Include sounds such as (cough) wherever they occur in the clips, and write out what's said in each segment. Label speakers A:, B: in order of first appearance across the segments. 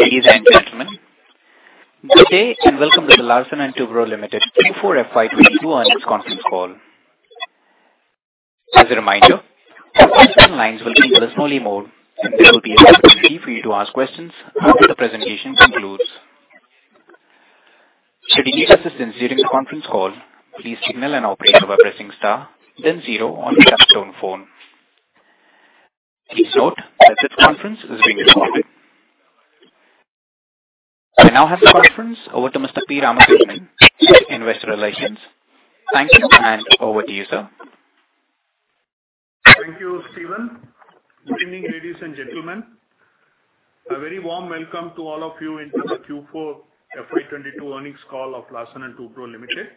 A: Ladies and gentlemen, good day and welcome to the Larsen & Toubro Limited Q4 FY 2022 earnings conference call. As a reminder, participant lines will be in listen-only mode, and there will be an opportunity for you to ask questions after the presentation concludes. Should you need assistance during the conference call, please signal an operator by pressing star then zero on your telephone. Please note that this conference is being recorded. I now hand the conference over to Mr. P. Ramakrishnan, Investor Relations. Thank you, and over to you, sir.
B: Thank you, Steven. Good evening, ladies and gentlemen. A very warm welcome to all of you into the Q4 FY 2022 earnings call of Larsen & Toubro Limited.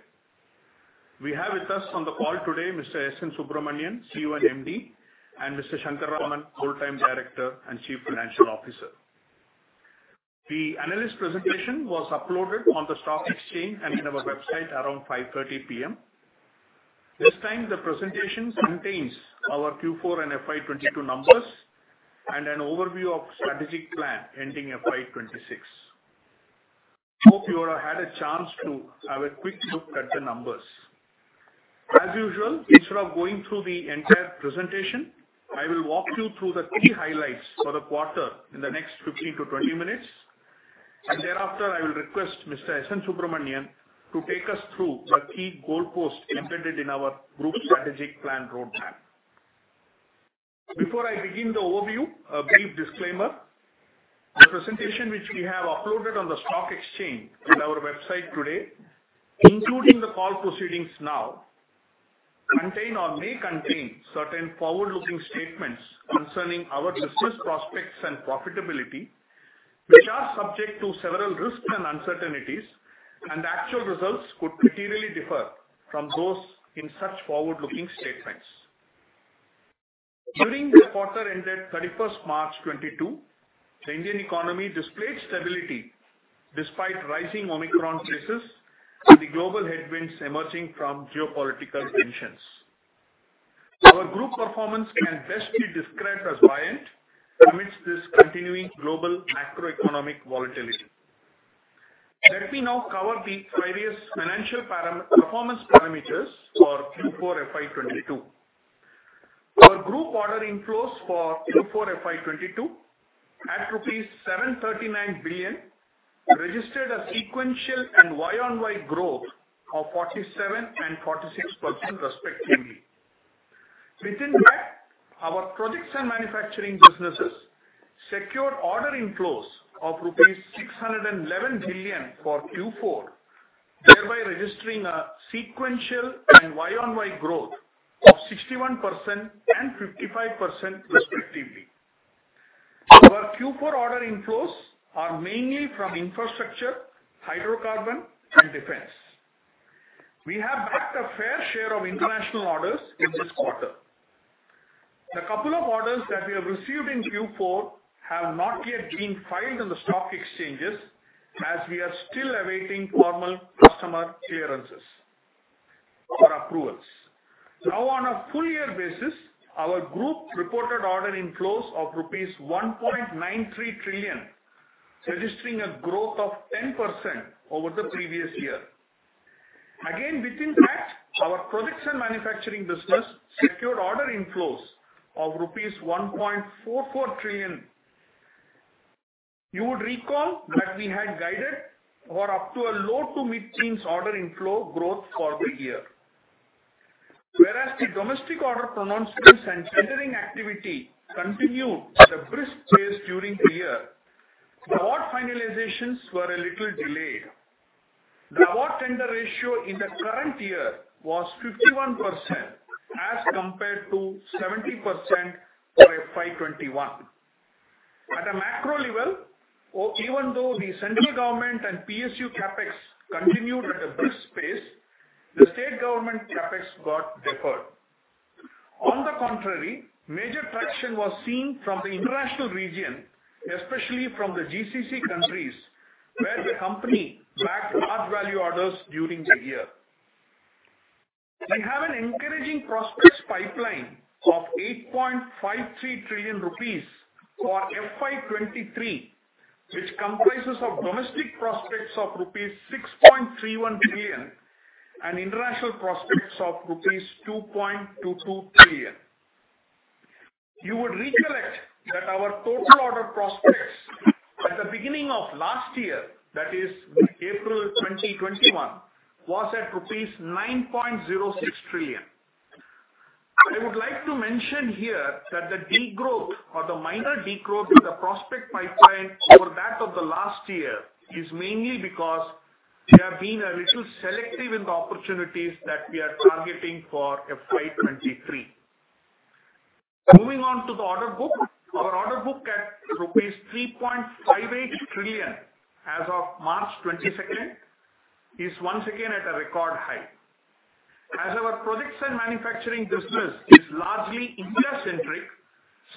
B: We have with us on the call today Mr. S. N. Subrahmanyan, CEO and MD, and Mr. R. Shankar Raman, Whole-time Director and Chief Financial Officer. The analyst presentation was uploaded on the stock exchange and in our website around 5:30 P.M. This time the presentation contains our Q4 and FY 2022 numbers and an overview of strategic plan ending FY 2026. Hope you all had a chance to have a quick look at the numbers. As usual, instead of going through the entire presentation, I will walk you through the key highlights for the quarter in the next 15 to 20 minutes, and thereafter, I will request Mr. S. N. Subrahmanyan to take us through the key goalposts embedded in our group strategic plan roadmap. Before I begin the overview, a brief disclaimer. The presentation which we have uploaded on the stock exchange and our website today, including the call proceedings now, contain or may contain certain forward-looking statements concerning our business prospects and profitability, which are subject to several risks and uncertainties, and the actual results could materially differ from those in such forward-looking statements. During the quarter ended 31st March 2022, the Indian economy displayed stability despite rising Omicron cases and the global headwinds emerging from geopolitical tensions. Our group performance can best be described as buoyant amidst this continuing global macroeconomic volatility. Let me now cover the various financial performance parameters for Q4 FY 2022. Our group order inflows for Q4 FY 2022 at rupees 739 billion registered a sequential and YoY growth of 47% and 46% respectively. Within that, our projects and manufacturing businesses secured order inflows of rupees 611 billion for Q4, thereby registering a sequential and YoY growth of 61% and 55% respectively. Our Q4 order inflows are mainly from Infrastructure, Hydrocarbon, and defense. We have booked a fair share of international orders in this quarter. The couple of orders that we have received in Q4 have not yet been filed in the stock exchanges as we are still awaiting formal customer clearances or approvals. Now on a full year basis, our group reported order inflows of rupees 1.93 trillion, registering a growth of 10% over the previous year. Again, within that, our projects and manufacturing business secured order inflows of rupees 1.44 trillion. You would recall that we had guided for up to a low- to mid-teens order inflow growth for the year. Whereas the domestic order pronouncements and tendering activity continued at a brisk pace during the year, the award finalizations were a little delayed. The award-to-tender ratio in the current year was 51% as compared to 70% for FY 2021. At a macro level, even though the central government and PSU CapEx continued at a brisk pace, the state government CapEx got deferred. On the contrary, major traction was seen from the international region, especially from the GCC countries, where the company bagged large value orders during the year. We have an encouraging prospects pipeline of 8.53 trillion rupees for FY 2023, which comprises of domestic prospects of rupees 6.31 trillion and international prospects of rupees 2.22 trillion. You would recollect that our total order prospects at the beginning of last year, that is April 2021, was at rupees 9.06 trillion. I would like to mention here that the degrowth or the minor degrowth in the prospect pipeline over that of the last year is mainly because we have been a little selective in the opportunities that we are targeting for FY 2023. Moving on to the order book. Our order book at rupees 3.58 trillion as of March 2022, is once again at a record high. As our projects and manufacturing business is largely India-centric,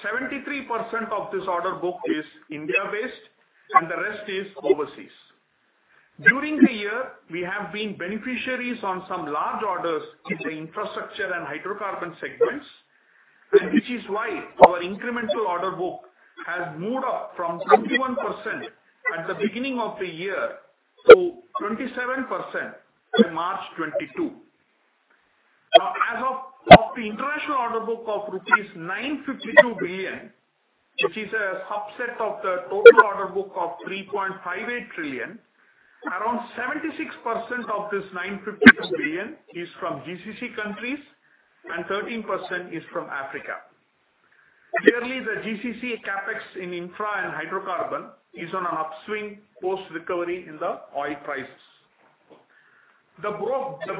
B: 73% of this order book is India-based and the rest is overseas. During the year, we have been beneficiaries on some large orders in the Infrastructure and Hydrocarbon segments, and which is why our incremental order book has moved up from 51% at the beginning of the year to 27% in March 2022. Now, as of the international order book of rupees 952 billion, which is a subset of the total order book of 3.58 trillion, around 76% of this 952 billion is from GCC countries and 13% is from Africa. Clearly, the GCC CapEx in infra and Hydrocarbon is on an upswing post-recovery in the oil prices. The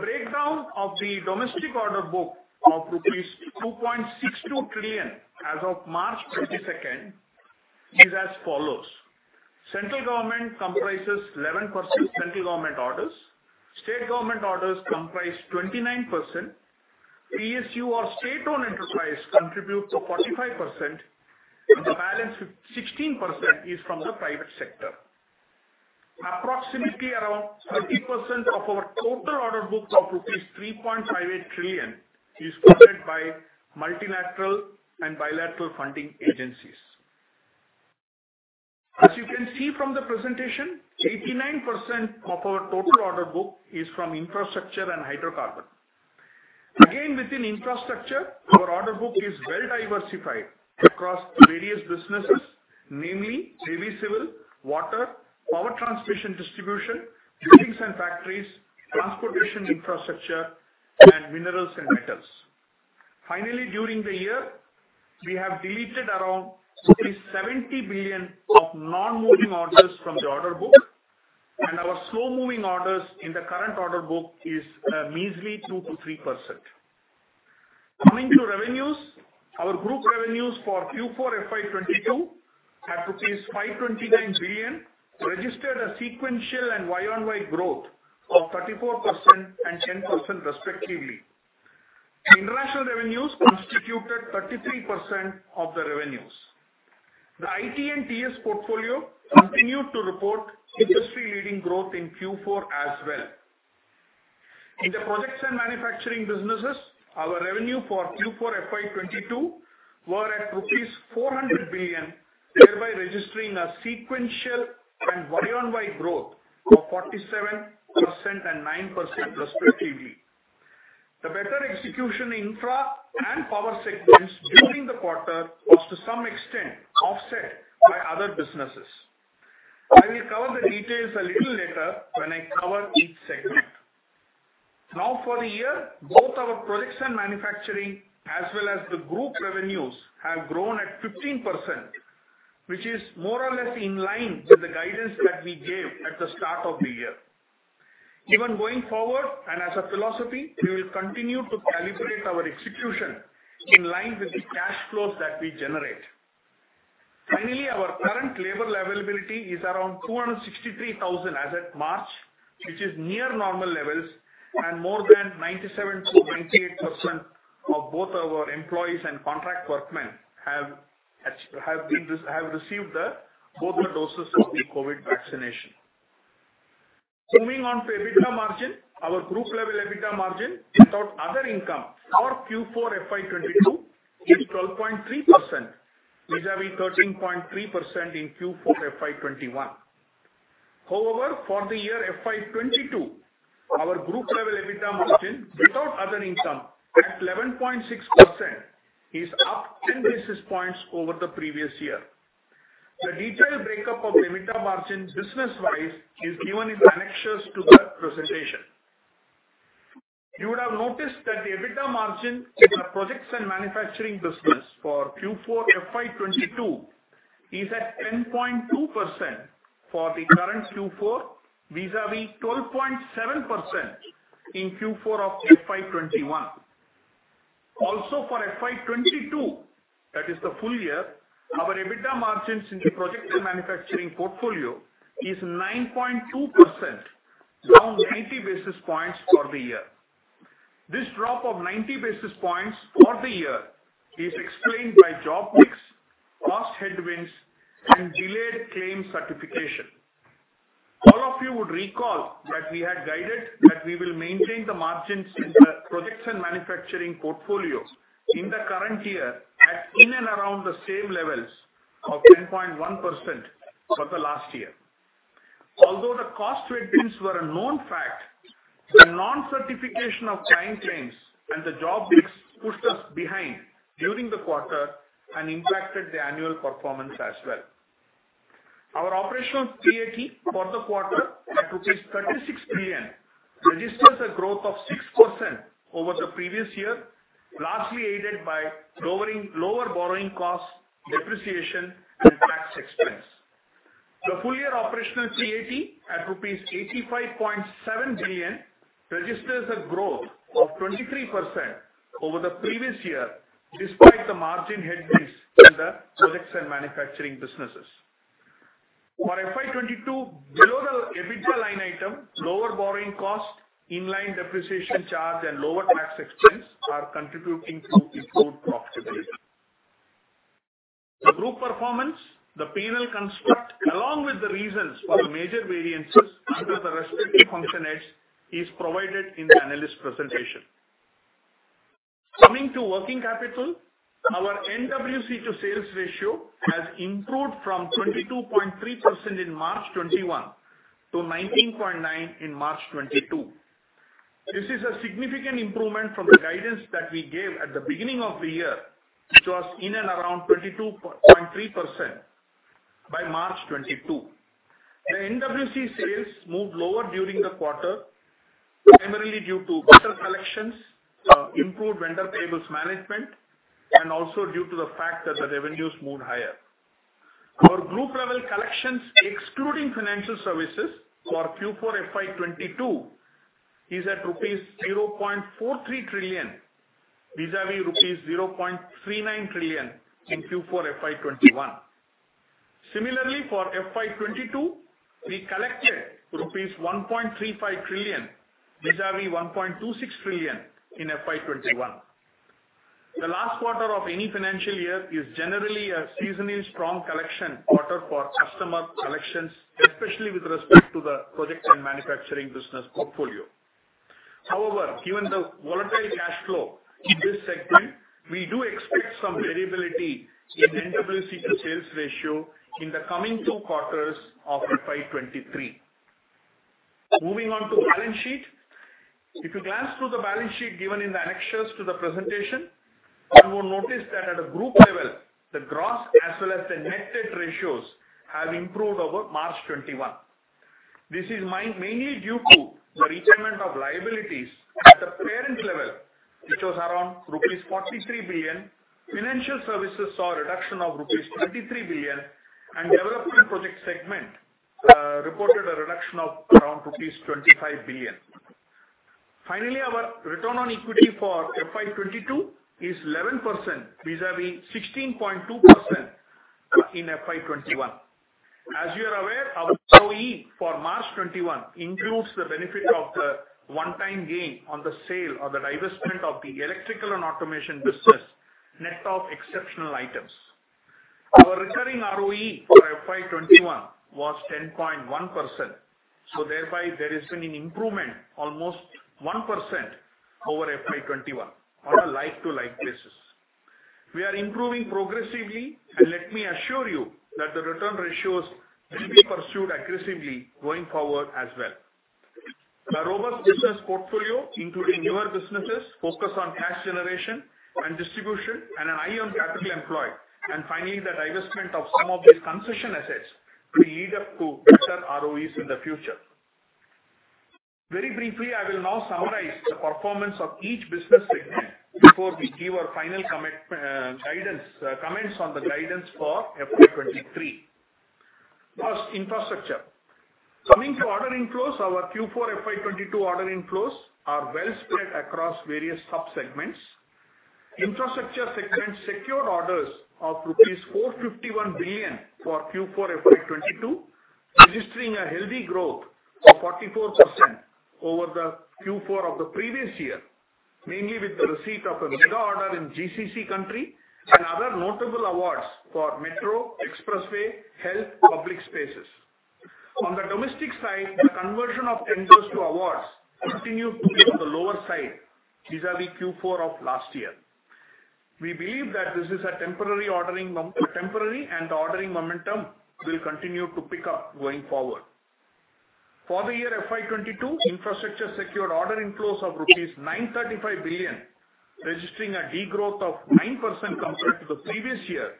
B: breakdown of the domestic order book of rupees 2.62 trillion as of March 22 is as follows. Central government comprises 11% central government orders. State government orders comprise 29%. PSU or state-owned enterprise contributes to 45%, and the balance 16% is from the private sector. Approximately around 30% of our total order book of rupees 3.58 trillion is funded by multilateral and bilateral funding agencies. As you can see from the presentation, 89% of our total order book is from Infrastructure and Hydrocarbon. Again, within Infrastructure, our order book is well diversified across various businesses, namely heavy civil, water, power transmission and distribution, buildings and factories, transportation infrastructure, and minerals and metals. Finally, during the year, we have deleted around 70 billion of non-moving orders from the order book, and our slow-moving orders in the current order book is a measly 2%-3%. Coming to revenues, our group revenues for Q4 FY 2022 at rupees 529 billion registered a sequential and YoY growth of 34% and 10% respectively. International revenues constituted 33% of the revenues. The IT & TS portfolio continued to report industry-leading growth in Q4 as well. In the projects and manufacturing businesses, our revenue for Q4 FY 2022 were at rupees 400 billion, thereby registering a sequential and YoY growth of 47% and 9% respectively. The better execution in infra and Power segments during the quarter was to some extent offset by other businesses. I will cover the details a little later when I cover each segment. Now for the year, both our projects and manufacturing, as well as the group's revenues, have grown at 15%, which is more or less in line with the guidance that we gave at the start of the year. Even going forward, and as a philosophy, we will continue to calibrate our execution in line with the cash flows that we generate. Finally, our current labor availability is around 263,000 as at March, which is near normal levels and more than 97%-98% of both our employees and contract workmen have received both the doses of the COVID vaccination. Moving on to EBITDA margin, our group level EBITDA margin without other income for Q4 FY 2022 is 12.3% vis-à-vis 13.3% in Q4 FY 2021. However, for the year FY 2022, our group level EBITDA margin without other income at 11.6% is up 10 basis points over the previous year. The detailed breakup of the EBITDA margin business-wise is given in annexures to the presentation. You would have noticed that the EBITDA margin in the projects and manufacturing business for Q4 FY 2022 is at 10.2% for the current Q4 vis-à-vis 12.7% in Q4 of FY 2021. Also for FY 2022, that is the full year, our EBITDA margins in the projects and manufacturing portfolio is 9.2%, down 80 basis points for the year. This drop of 90 basis points for the year is explained by job mix, cost headwinds, and delayed claim certification. All of you would recall that we had guided that we will maintain the margins in the projects and manufacturing portfolio in the current year at in and around the same levels of 10.1% for the last year. Although the cost headwinds were a known fact, the non-certification of client claims and the job mix pushed us behind during the quarter and impacted the annual performance as well. Our operational PAT for the quarter at rupees 36 billion registers a growth of 6% over the previous year, largely aided by lower borrowing costs, depreciation, and tax expense. The full year operational PAT at rupees 85.7 billion registers a growth of 23% over the previous year despite the margin headwinds in the projects and manufacturing businesses. For FY 2022, below the EBITDA line item, lower borrowing cost, in-line depreciation charge and lower tax expense are contributing to improved profitability. The group performance, the P&L construct, along with the reasons for the major variances under the respective function heads is provided in the analyst presentation. Coming to working capital, our NWC to sales ratio has improved from 22.3% in March 2021 to 19.9% in March 2022. This is a significant improvement from the guidance that we gave at the beginning of the year, which was in and around 22.3% by March 2022. The NWC sales moved lower during the quarter, primarily due to better collections, improved vendor payables management, and also due to the fact that the revenues moved higher. Our group level collections, excluding financial services for Q4 FY 2022 is at rupees 0.43 trillion vis-à-vis rupees 0.39 trillion in Q4 FY 2021. Similarly, for FY 20 2022, we collected rupees 1.35 trillion vis-à-vis 1.26 trillion in FY 2021. The last quarter of any financial year is generally a seasonally strong collection quarter for customer collections, especially with respect to the project and manufacturing business portfolio. However, given the volatile cash flow in this segment, we do expect some variability in NWC to sales ratio in the coming two quarters of FY 2023. Moving on to the balance sheet. If you glance through the balance sheet given in the annexures to the presentation, one will notice that at a group level, the gross as well as the net debt ratios have improved over March 2021. This is mainly due to the retirement of liabilities at the parent level, which was around rupees 43 billion. Financial services saw a reduction of rupees 23 billion, and development project segment reported a reduction of around rupees 25 billion. Finally, our return on equity for FY 2022 is 11% vis-a-vis 16.2% in FY 2021. As you are aware, our ROE for March 2021 includes the benefit of the one-time gain on the sale or the divestment of the Electrical & Automation business, net of exceptional items. Our recurring ROE for FY 2021 was 10.1%, so thereby there is an improvement almost 1% over FY 2021 on a like-to-like basis. We are improving progressively, and let me assure you that the return ratios will be pursued aggressively going forward as well. The robust business portfolio, including newer businesses, focus on cash generation and distribution and an eye on capital employed, and finally the divestment of some of these concession assets will lead up to better ROEs in the future. Very briefly, I will now summarize the performance of each business segment before we give our final comments on the guidance for FY 2023. First, Infrastructure. Coming to order inflows, our Q4 FY 2022 order inflows are well spread across various sub-segments. Infrastructure segment secured orders of rupees 451 billion for Q4 FY 2022, registering a healthy growth of 44% over the Q4 of the previous year, mainly with the receipt of a mega order in GCC country and other notable awards for metro, expressway, health, public spaces. On the domestic side, the conversion of tenders to awards continued to be on the lower side vis-à-vis Q4 of last year. We believe that this is a temporary, and ordering momentum will continue to pick up going forward. For the year FY 2022, Infrastructure secured order inflows of rupees 935 billion, registering a degrowth of 9% compared to the previous year,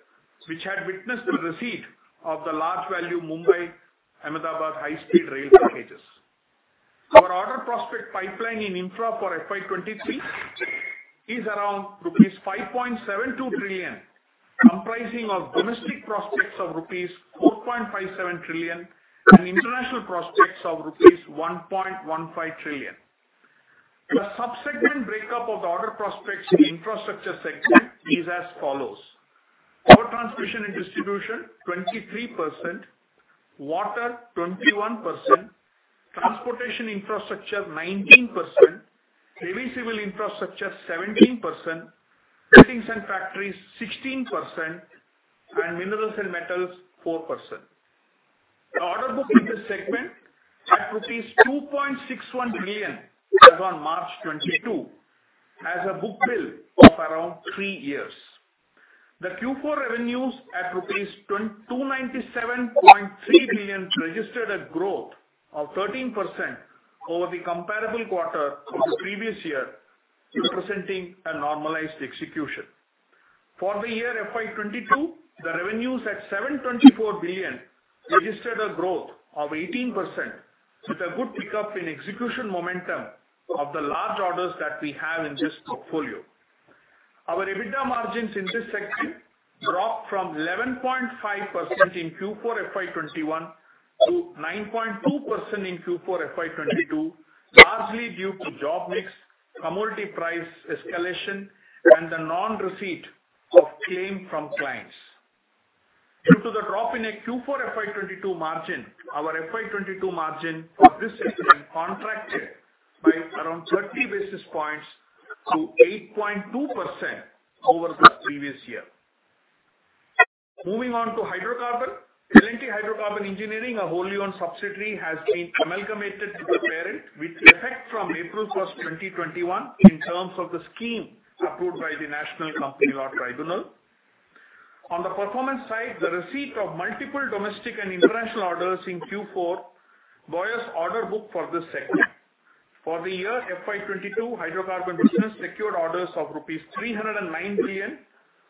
B: which had witnessed the receipt of the large value Mumbai-Ahmedabad high-speed rail packages. Our order prospect pipeline in infra for FY 2023 is around rupees 5.72 trillion, comprising of domestic prospects of rupees 4.57 trillion and international prospects of rupees 1.15 trillion. The sub-segment breakup of the order prospects in Infrastructure segment is as follows. Power transmission and distribution 23%, water 21%, transportation infrastructure 19%, civil infrastructure 17%, buildings and factories 16%, and minerals and metals 4%. The order book in this segment at rupees 2.61 billion as on March 2022 has a book-to-bill of around three years. The Q4 revenues at rupees 297.3 billion registered a growth of 13% over the comparable quarter of the previous year, representing a normalized execution. For the year FY 2022, the revenues at 724 billion registered a growth of 18% with a good pickup in execution momentum of the large orders that we have in this portfolio. Our EBITDA margins in this segment dropped from 11.5% in Q4 FY 2021 to 9.2% in Q4 FY 2022, largely due to job mix, commodity price escalation, and the non-receipt of claim from clients. Due to the drop in our Q4 FY 2022 margin, our FY 2022 margin for this segment contracted by around 30 basis points to 8.2% over the previous year. Moving on to Hydrocarbon. L&T Hydrocarbon Engineering, a wholly owned subsidiary, has been amalgamated to the parent with effect from April 1, 2021 in terms of the scheme approved by the National Company Law Tribunal. On the performance side, the receipt of multiple domestic and international orders in Q4 bolsters order book for this segment. For the year FY 2022, Hydrocarbon business secured orders of rupees 309 billion,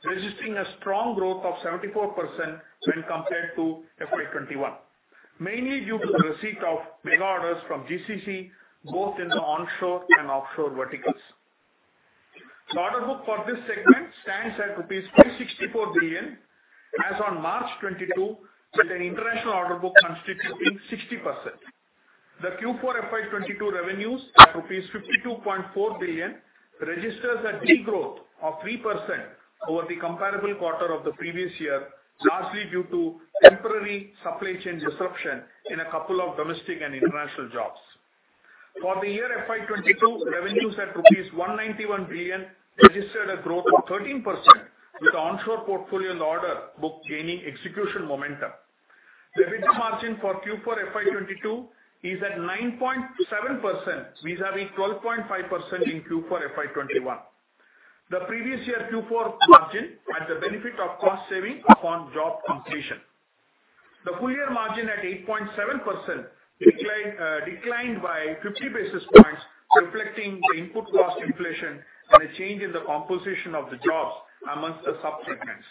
B: registering a strong growth of 74% when compared to FY 2021, mainly due to the receipt of mega orders from GCC both in the onshore and offshore verticals. The order book for this segment stands at INR 364 billion as on March 2022, with an international order book constituting 60%. The Q4 FY 2022 revenues at INR 52.4 billion registers a degrowth of 3% over the comparable quarter of the previous year, largely due to temporary supply chain disruption in a couple of domestic and international jobs. For the year FY 2022, revenues at INR 191 billion registered a growth of 13%, with onshore portfolio order book gaining execution momentum. EBITDA margin for Q4 FY 2022 is at 9.7% vis-a-vis 12.5% in Q4 FY 2021. The previous year Q4 margin had the benefit of cost saving upon job completion. The full year margin at 8.7% declined by 50 basis points, reflecting the input cost inflation and a change in the composition of the jobs amongst the sub-segments.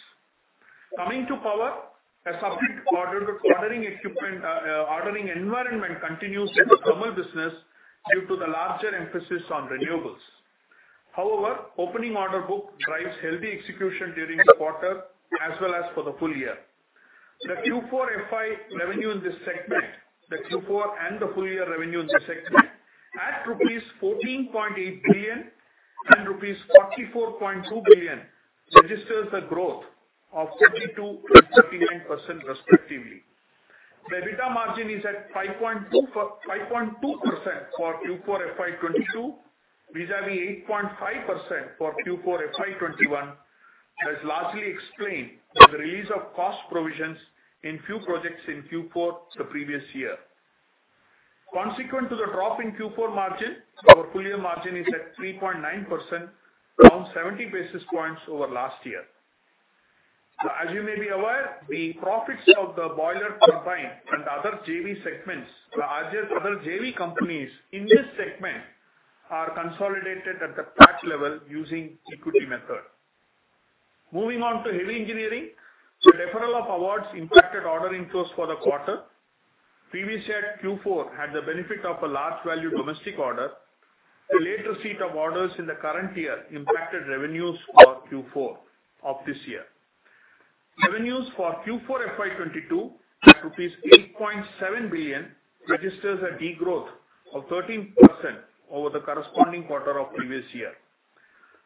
B: Coming to Power, a subdued ordering environment continues in the thermal business due to the larger emphasis on renewables. However, opening order book drives healthy execution during the quarter as well as for the full year. The Q4 FY revenue in this segment, the Q4 and the full year revenue in this segment at rupees 14.8 billion and rupees 44.2 billion registers a growth of 32% and 39% respectively. The EBITDA margin is at 5.2% for Q4 FY 2022 vis-à-vis 8.5% for Q4 FY 2021 that's largely explained by the release of cost provisions in few projects in Q4 the previous year. Consequent to the drop in Q4 margin, our full year margin is at 3.9%, down 70 basis points over last year. As you may be aware, the profits of the boiler combine and other JV segments, the larger other JV companies in this segment are consolidated at the PAT level using equity method. Moving on to heavy engineering. The deferral of awards impacted order inflows for the quarter. Previous year Q4 had the benefit of a large value domestic order. The late receipt of orders in the current year impacted revenues for Q4 of this year. Revenues for Q4 FY 2022 at rupees 8.7 billion registers a degrowth of 13% over the corresponding quarter of previous year.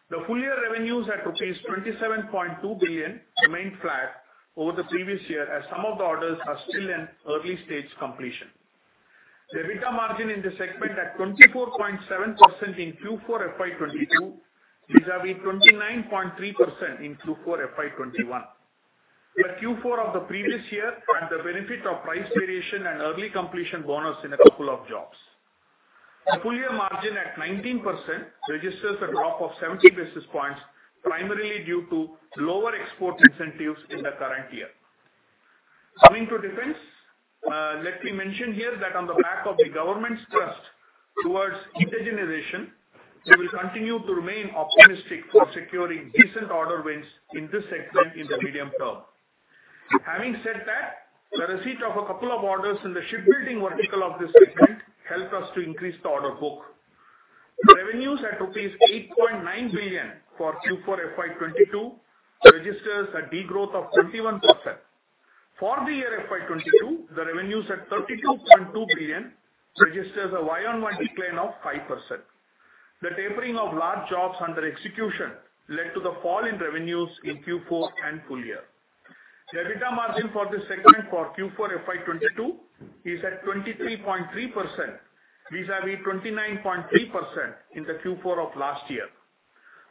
B: The full year revenues at rupees 27.2 billion remained flat over the previous year as some of the orders are still in early stage completion. The EBITDA margin in the segment at 24.7% in Q4 FY 2022 vis-a-vis 29.3% in Q4 FY 2021. The Q4 of the previous year had the benefit of price variation and early completion bonus in a couple of jobs. The full year margin at 19% registers a drop of 70 basis points, primarily due to lower export incentives in the current year. Coming to defense, let me mention here that on the back of the government's trust towards indigenization, we will continue to remain optimistic for securing decent order wins in this segment in the medium term. Having said that, the receipt of a couple of orders in the shipbuilding vertical of this segment helped us to increase the order book. Revenues at rupees 8.9 billion for Q4 FY 2022 registers a degrowth of 21%. For the year FY 2022, the revenues at 32.2 billion registers a year-on-year decline of 5%. The tapering of large jobs under execution led to the fall in revenues in Q4 and full year. The EBITDA margin for this segment for Q4 FY 2022 is at 23.3% vis-a-vis 29.3% in the Q4 of last year.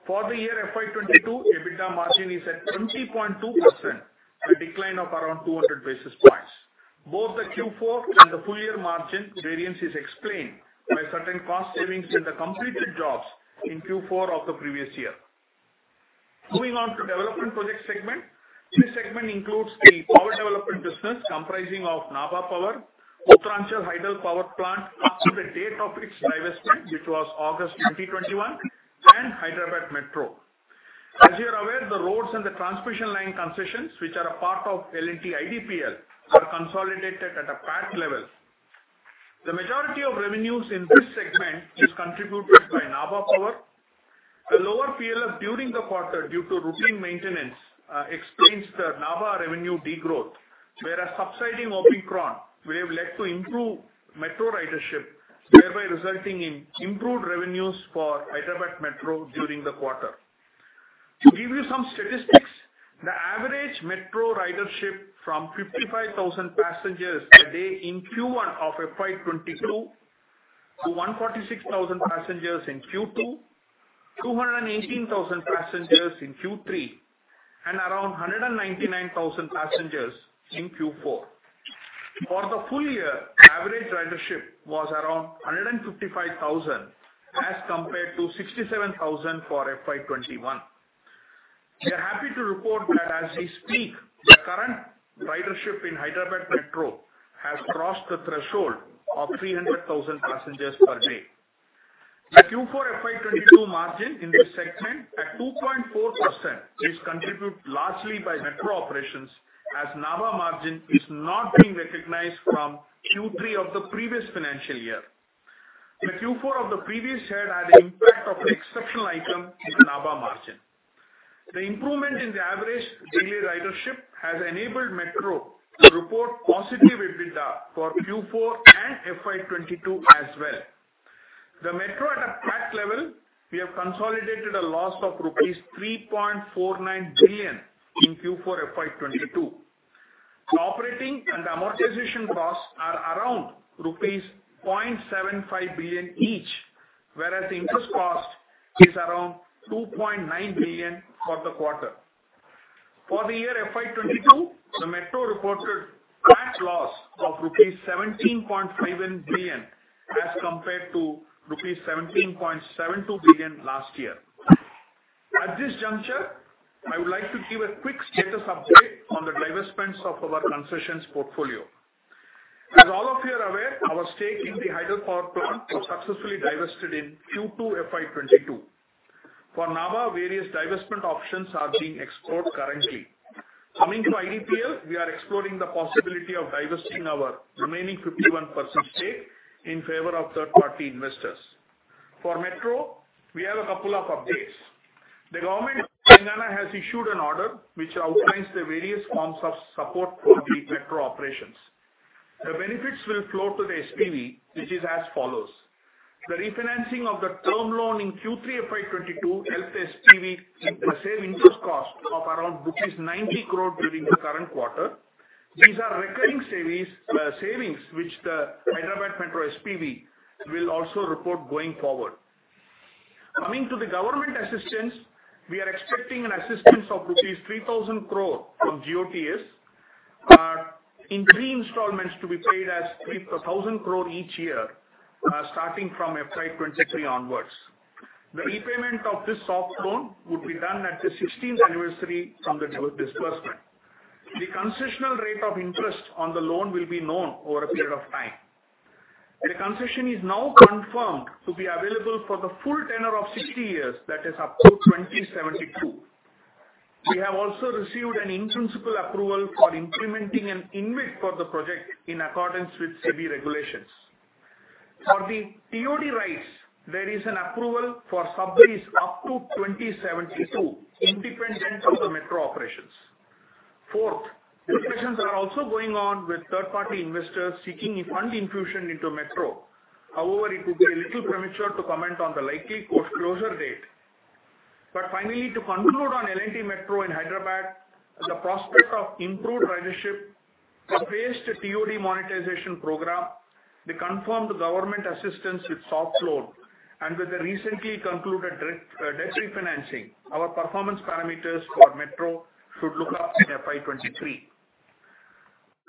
B: For the year FY 2022, EBITDA margin is at 20.2%, a decline of around 200 basis points. Both the Q4 and the full year margin variance is explained by certain cost savings in the completed jobs in Q4 of the previous year. Moving on to development project segment. This segment includes the Power development business comprising of Nabha Power, Uttaranchal Hydel Power Plant up to the date of its divestment, which was August 2021, and Hyderabad Metro. As you are aware, the roads and the transmission line concessions which are a part of L&T IDPL are consolidated at an equity level. The majority of revenues in this segment is contributed by Nabha Power. The lower PLF during the quarter due to routine maintenance explains the Nabha revenue degrowth, whereas subsiding Omicron wave led to improved metro ridership, thereby resulting in improved revenues for Hyderabad Metro during the quarter. To give you some statistics, the average metro ridership from 55,000 passengers a day in Q1 of FY 2022 to 146,000 passengers in Q2, 218,000 passengers in Q3, and around 199,000 passengers in Q4. For the full year, average ridership was around 155,000, as compared to 67,000 for FY 2021. We are happy to report that as we speak, the current ridership in Hyderabad Metro has crossed the threshold of 300,000 passengers per day. The Q4 FY 2022 margin in this segment at 2.4% is contributed largely by metro operations, as Nabha margin is not being recognized from Q3 of the previous financial year. The Q4 of the previous year had an impact of the exceptional item in Nabha margin. The improvement in the average daily ridership has enabled Metro to report positive EBITDA for Q4 and FY 2022 as well. The Metro at a PAT level, we have consolidated a loss of rupees 3.49 billion in Q4 FY 2022. The operating and amortization costs are around rupees 0.75 billion each, whereas the interest cost is around 2.9 billion for the quarter. For the year FY 2022, the Metro reported PAT loss of rupees 17.51 billion, as compared to rupees 17.72 billion last year. At this juncture, I would like to give a quick status update on the divestments of our concessions portfolio. As all of you are aware, our stake in the hydropower plant was successfully divested in Q2 FY 2022. For Nabha, various divestment options are being explored currently. Coming to IDPL, we are exploring the possibility of divesting our remaining 51% stake in favor of third-party investors. For Metro, we have a couple of updates. The government of Telangana has issued an order which outlines the various forms of support for the metro operations. The benefits will flow to the SPV, which is as follows. The refinancing of the term loan in Q3 FY 2022 helped SPV save interest cost of around rupees 90 crore during the current quarter. These are recurring savings which the Hyderabad Metro SPV will also report going forward. Coming to the government assistance, we are expecting an assistance of rupees 3,000 crore from GOTS in three installments to be paid as 1,000 crore each year starting from FY 2023 onwards. The repayment of this soft loan would be done at the 16th anniversary from the disbursement. The concessional rate of interest on the loan will be known over a period of time. The concession is now confirmed to be available for the full tenure of 60 years, that is up to 2072. We have also received an in-principle approval for implementing an InvIT for the project in accordance with SEBI regulations. For the TOD rights, there is an approval for sublease up to 2072, independent of the metro operations. Fourth, discussions are also going on with third-party investors seeking a fund infusion into Metro. However, it would be a little premature to comment on the likely closure date. Finally, to conclude on L&T's Hyderabad Metro, the prospect of improved ridership, a phased TOD monetization program, the confirmed government assistance with soft loan, and with the recently concluded debt refinancing, our performance parameters for Metro should look up in FY 2023.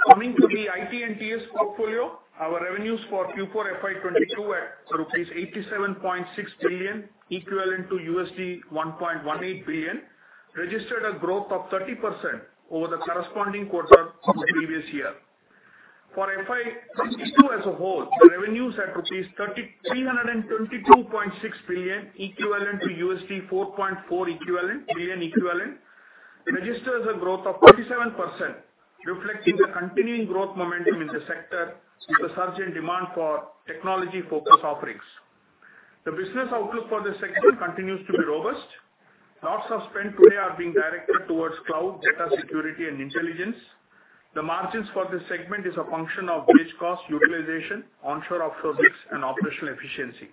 B: Coming to the IT & TS portfolio, our revenues for Q4 FY 2022 at rupees 87.6 billion, equivalent to $1.18 billion, registered a growth of 30% over the corresponding quarter of the previous year. For FY 2022 as a whole, the revenues at rupees 3,322.6 billion, equivalent to $4.4 billion, registers a growth of 27%, reflecting the continuing growth momentum in the sector with the surge in demand for technology-focused offerings. The business outlook for this segment continues to be robust. Lots of spend today are being directed towards cloud, data security and intelligence. The margins for this segment is a function of bench cost utilization, onshore offsets, and operational efficiency.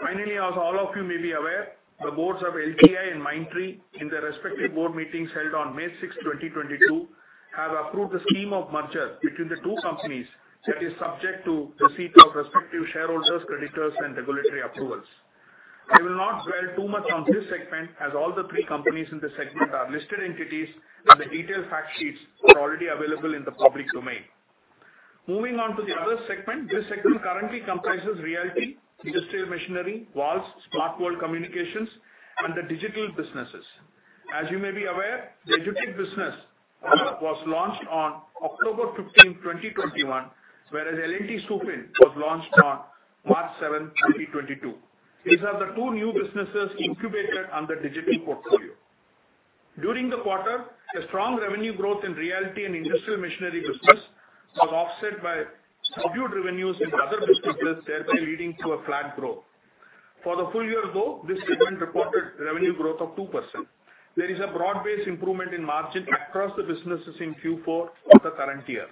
B: Finally, as all of you may be aware, the boards of LTI and Mindtree, in their respective board meetings held on May 6th, 2022, have approved the scheme of merger between the two companies that is subject to receipt of respective shareholders, creditors, and regulatory approvals. I will not dwell too much on this segment, as all the three companies in this segment are listed entities, and the detailed fact sheets are already available in the public domain. Moving on to the other segment, this segment currently comprises Realty, Industrial Machinery, Valves, Smart World & Communication, and the digital businesses. As you may be aware, the L&T EduTech business was launched on October 15th, 2021, whereas L&T-SuFin was launched on March 7th, 2022. These are the two new businesses incubated under digital portfolio. During the quarter, the strong revenue growth in Realty and Industrial Machinery business was offset by subdued revenues in other businesses, thereby leading to a flat growth. For the full year though, this segment reported revenue growth of 2%. There is a broad-based improvement in margin across the businesses in Q4 of the current year.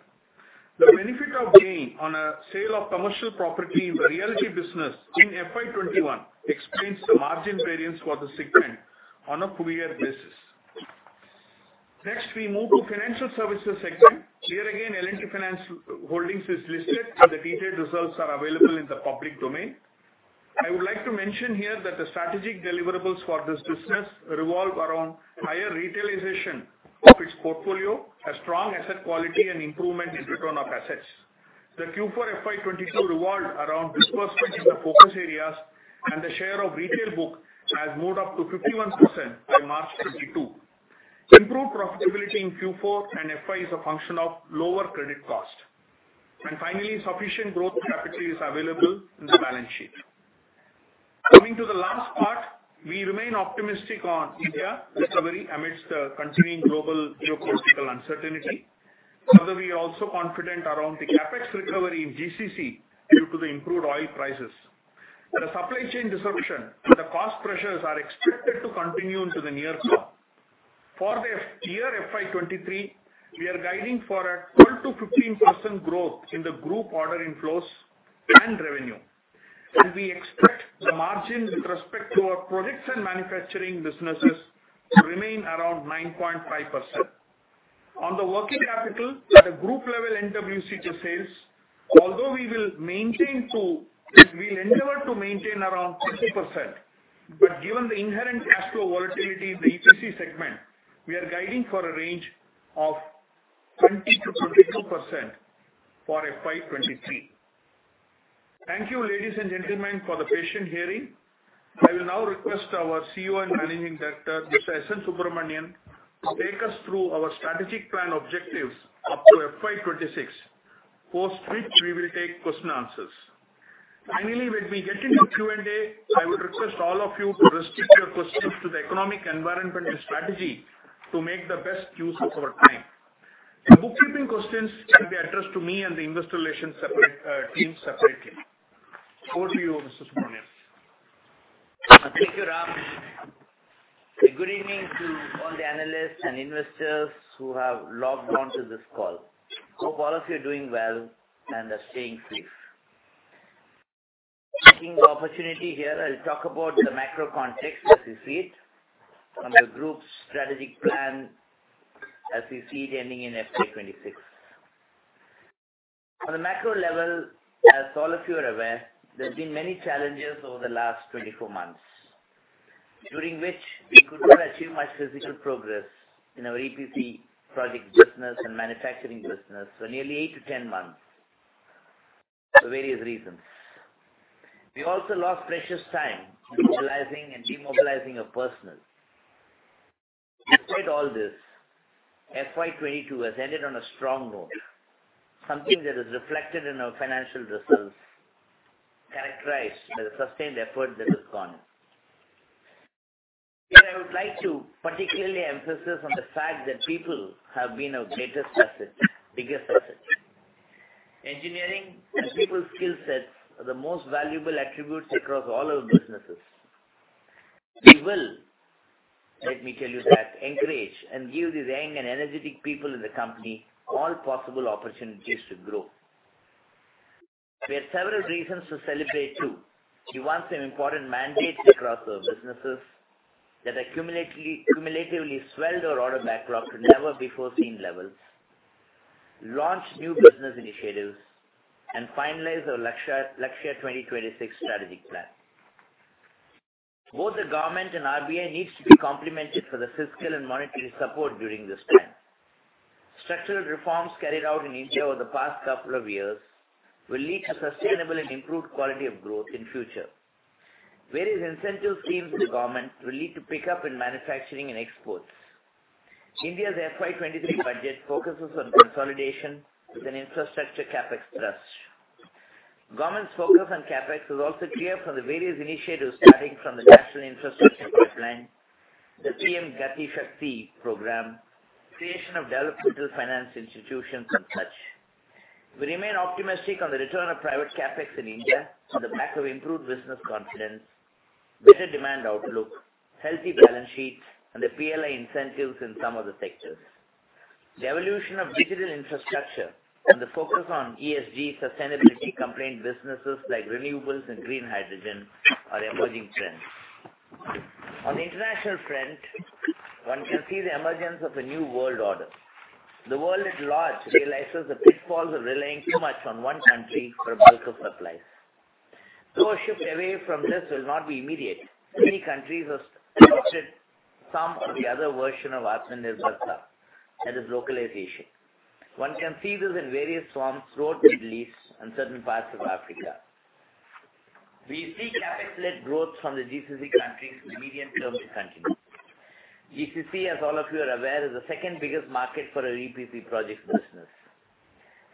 B: The benefit of gain on a sale of commercial property in the realty business in FY 2021 explains the margin variance for the segment on a prior year basis. Next, we move to financial services segment. Here again, L&T Finance Holdings is listed, and the detailed results are available in the public domain. I would like to mention here that the strategic deliverables for this business revolve around higher retailization of its portfolio, a strong asset quality and improvement in return of assets. The Q4 FY 2022 revolved around disbursements in the focus areas, and the share of retail book has moved up to 51% by March 2022. Improved profitability in Q4 and FY is a function of lower credit cost. Finally, sufficient growth capital is available in the balance sheet. Coming to the last part, we remain optimistic on India recovery amidst the continuing global geopolitical uncertainty. Further, we are also confident around the CapEx recovery in GCC due to the improved oil prices. The supply chain disruption and the cost pressures are expected to continue into the near term. For the year FY 2023, we are guiding for a 12%-15% growth in the group order inflows and revenue. We expect the margin with respect to our products and manufacturing businesses to remain around 9.5%. On the working capital at a group level NWC-to-sales, although we will endeavor to maintain around 60%. Given the inherent cash flow volatility in the EPC segment, we are guiding for a range of 20%-22% for FY 2023. Thank you, ladies and gentlemen, for the patient hearing. I will now request our CEO and Managing Director, Mr. S. N. Subrahmanyan, to take us through our strategic plan objectives up to FY 2026, after which we will take questions and answers. Finally, when we get into Q&A, I would request all of you to restrict your questions to the economic environment and strategy to make the best use of our time. The bookkeeping questions can be addressed to me and the investor relations separate team separately. Over to you, Mr. Subrahmanyan.
C: Thank you, Ram. Good evening to all the analysts and investors who have logged on to this call. Hope all of you are doing well and are staying safe. Taking the opportunity here, I'll talk about the macro context as we see it and the group's strategic plan as we see it ending in FY 2026. On a macro level, as all of you are aware, there's been many challenges over the last 24 months, during which we could not achieve much physical progress in our EPC project business and manufacturing business for nearly eight to 10 months for various reasons. We also lost precious time in mobilizing and demobilizing our personnel. Despite all this, FY 2022 has ended on a strong note, something that is reflected in our financial results, characterized by the sustained effort that has gone in. Here I would like to particularly emphasize on the fact that people have been our greatest asset, biggest asset. Engineering and people skill sets are the most valuable attributes across all our businesses. We will, let me tell you that, encourage and give these young and energetic people in the company all possible opportunities to grow. We have several reasons to celebrate, too. We won some important mandates across our businesses that cumulatively swelled our order backlog to never before seen levels, launched new business initiatives, and finalized our Lakshya 2026 strategic plan. Both the government and RBI needs to be complimented for the fiscal and monetary support during this time. Structural reforms carried out in India over the past couple of years will lead to sustainable and improved quality of growth in future. Various incentive schemes with the government will lead to pickup in manufacturing and exports. India's FY 2023 budget focuses on consolidation with an Infrastructure CapEx thrust. Government's focus on CapEx is also clear from the various initiatives starting from the National Infrastructure Pipeline, the PM GatiShakti program, creation of developmental finance institutions and such. We remain optimistic on the return of private CapEx in India on the back of improved business confidence, better demand outlook, healthy balance sheets, and the PLI incentives in some of the sectors. The evolution of digital Infrastructure and the focus on ESG sustainability compliant businesses like renewables and green hydrogen are emerging trends. On the international front, one can see the emergence of a new world order. The world at large realizes the pitfalls of relying too much on one country for a bulk of supplies. Though a shift away from this will not be immediate, many countries have adopted some or the other version of Atmanirbhar club, that is localization. One can see this in various forms throughout Middle East and certain parts of Africa. We see CapEx-led growth from the GCC countries in the medium-term to continue. GCC, as all of you are aware, is the second biggest market for our EPC project business.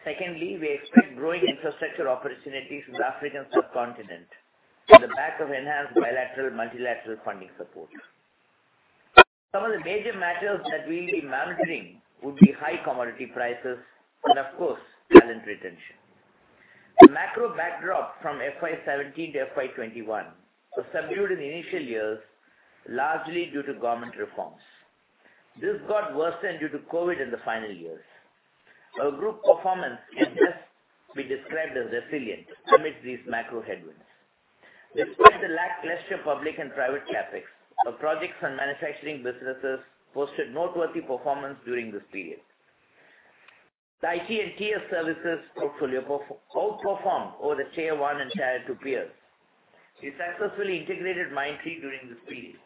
C: Secondly, we expect growing Infrastructure opportunities in the African subcontinent on the back of enhanced bilateral multilateral funding support. Some of the major matters that we'll be monitoring would be high commodity prices and of course talent retention. The macro backdrop from FY 2017 to FY 2021 was subdued in the initial years, largely due to government reforms. This got worsened due to COVID in the final years. Our group performance can best be described as resilient amidst these macro headwinds. Despite the lackluster public and private CapEx, our projects and manufacturing businesses posted noteworthy performance during this period. The IT & TS services portfolio outperformed over the Tier 1 and Tier 2 peers. We successfully integrated Mindtree during this period.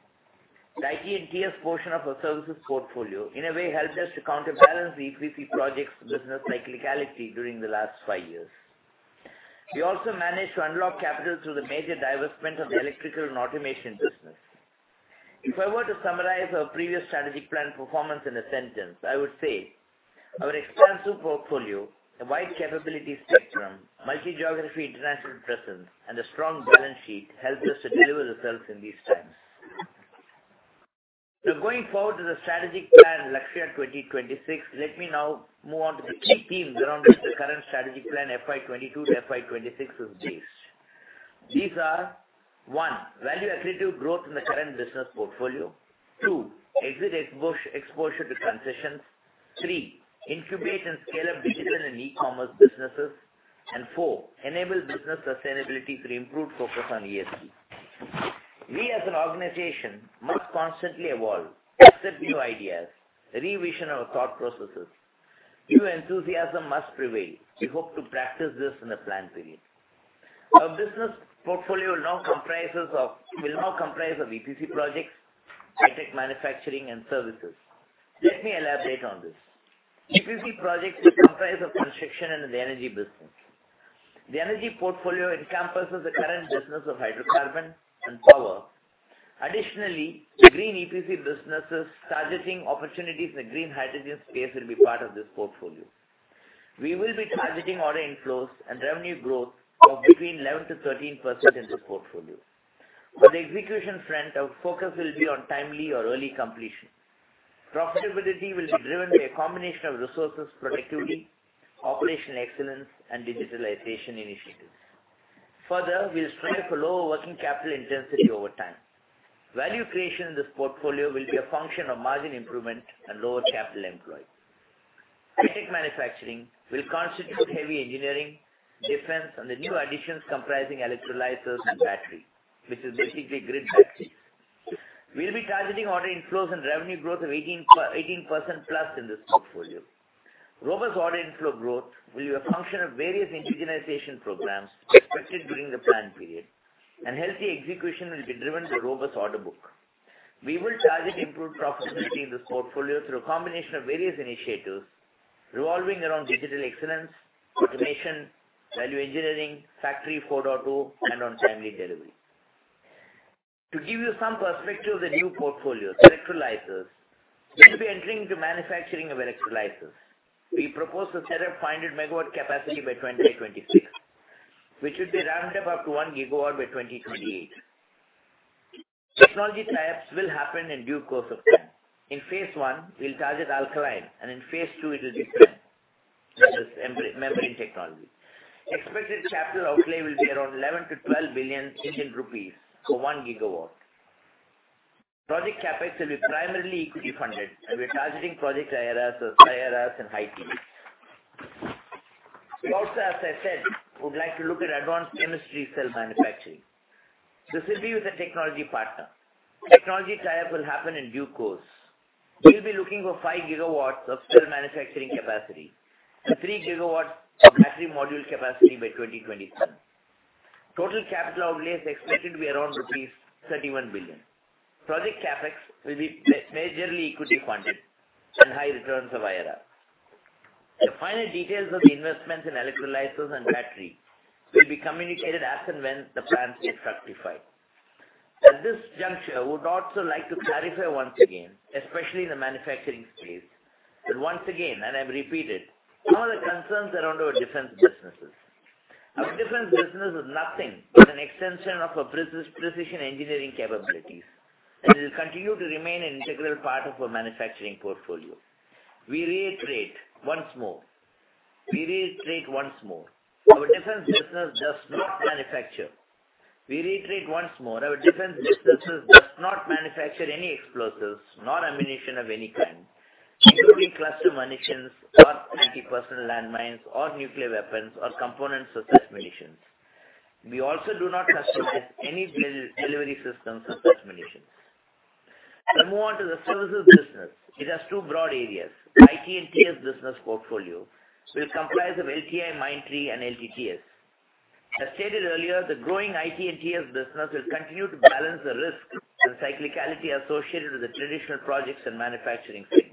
C: The IT & TS portion of our services portfolio in a way helped us to counterbalance the EPC projects business cyclicality during the last five years. We also managed to unlock capital through the major divestment of the electrical and automation business. If I were to summarize our previous strategic plan performance in a sentence, I would say our expansive portfolio, a wide capability spectrum, multi-geography international presence, and a strong balance sheet helped us to deliver results in these times. Now going forward to the strategic plan Lakshya 2026, let me now move on to the key themes around which the current strategic plan FY 2022 to FY 2026 is based. These are, one, value accretive growth in the current business portfolio. Two, exit exposure to transitions. Three, incubate and scale up digital and e-commerce businesses. Four, enable business sustainability through improved focus on ESG. We as an organization must constantly evolve, accept new ideas, revise our thought processes. New enthusiasm must prevail. We hope to practice this in the plan period. Our business portfolio will now comprise of EPC projects, high-tech manufacturing, and services. Let me elaborate on this. EPC projects will comprise of construction and the energy business. The energy portfolio encompasses the current business of Hydrocarbon and Power. Additionally, the green EPC businesses targeting opportunities in the green hydrogen space will be part of this portfolio. We will be targeting order inflows and revenue growth of between 11%-13% in this portfolio. On the execution front, our focus will be on timely or early completion. Profitability will be driven by a combination of resources productivity, operational excellence, and digitalization initiatives. Further, we'll strive for lower working capital intensity over time. Value creation in this portfolio will be a function of margin improvement and lower capital employed. High-tech manufacturing will constitute heavy engineering, defense, and the new additions comprising electrolyzers and battery, which is basically grid batteries. We'll be targeting order inflows and revenue growth of 18%+ in this portfolio. Robust order inflow growth will be a function of various indigenization programs expected during the plan period. Healthy execution will be driven by robust order book. We will target improved profitability in this portfolio through a combination of various initiatives revolving around digital excellence, automation, value engineering, Factory 4.0, and on timely delivery. To give you some perspective of the new portfolios, electrolyzers. We will be entering into manufacturing of electrolyzers. We propose to set up 500 MW capacity by 2026, which would be ramped up to 1 GW by 2028. Technology tie-ups will happen in due course of time. In phase I, we'll target alkaline, and in phase II, it will be PEM, which is membrane technology. Expected capital outlay will be around 11 billion-12 billion Indian rupees for 1 GW. Project CapEx will be primarily equity funded, and we're targeting project IRRs of higher IRRs and high teens. We also, as I said, would like to look at Advanced Chemistry Cell manufacturing. This will be with a technology partner. Technology tie-up will happen in due course. We'll be looking for 5 GW of cell manufacturing capacity and 3 GW of battery module capacity by 2027. Total capital outlays expected to be around rupees 31 billion. Project CapEx will be majorly equity funded and high returns of IRR. The final details of the investments in electrolyzers and battery will be communicated as and when the plans get fructified. At this juncture, I would also like to clarify once again, especially in the manufacturing space, that once again, and I repeat it, some of the concerns around our defense businesses. Our defense business is nothing but an extension of our precision engineering capabilities, and it will continue to remain an integral part of our manufacturing portfolio. We reiterate once more, our defense business does not manufacture any explosives nor ammunition of any kind, including cluster munitions or anti-personnel landmines or nuclear weapons or components of such munitions. We also do not customize any delivery systems of such munitions. Let's move on to the services business. It has two broad areas. IT & TS business portfolio will comprise of LTI, Mindtree, and LTTS. As stated earlier, the growing IT & TS business will continue to balance the risk and cyclicality associated with the traditional projects and manufacturing segment.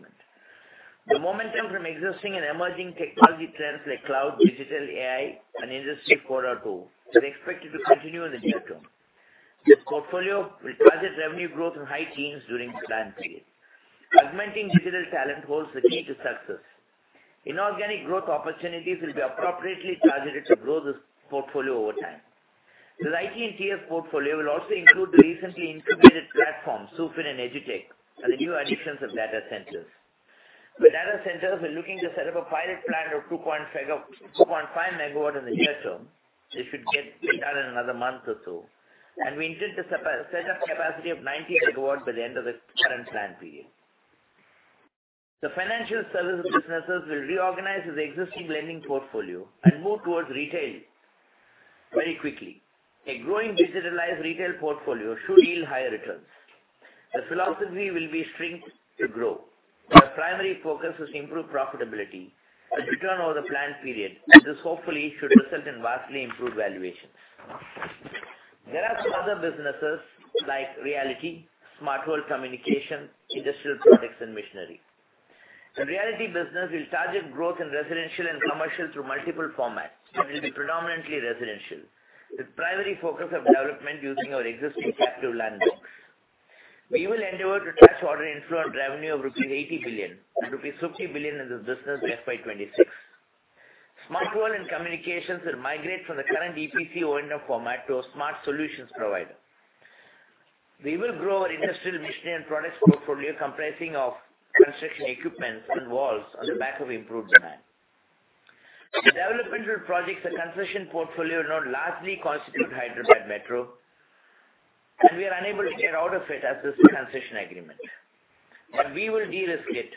C: The momentum from existing and emerging technology trends like cloud, digital, AI, and Industry 4.0 are expected to continue in the near term. This portfolio will target revenue growth in high teens during this plan period. Augmenting digital talent holds the key to success. Inorganic growth opportunities will be appropriately targeted to grow this portfolio over time. This IT & TS portfolio will also include the recently incubated platforms, SuFin and EduTech, and the new additions of data centers. The data centers, we're looking to set up a pilot plant of 2.5 MW in the near term. It should get done in another month or two. We intend to set up capacity of 90 MW by the end of the current plan period. The financial services businesses will reorganize the existing lending portfolio and move towards retail very quickly. A growing digitalized retail portfolio should yield higher returns. The philosophy will be strength to grow. Our primary focus is to improve profitability and return over the plan period. This hopefully should result in vastly improved valuations. There are some other businesses like realty, Smart World & Communication, industrial products and machinery. The realty business will target growth in residential and commercial through multiple formats, and it will be predominantly residential. The primary focus of development using our existing captive land banks. We will endeavor to touch order inflow and revenue of INR 80 billion-INR 60 billion in this business by FY 2026. Smart World & Communication will migrate from the current EPC owner format to a smart solutions provider. We will grow our industrial machinery and products portfolio comprising of construction equipment and Valves on the back of improved demand. The developmental projects and concession portfolio now largely constitute Hyderabad Metro, and we are unable to get out of it as this is a concession agreement. We will de-risk it,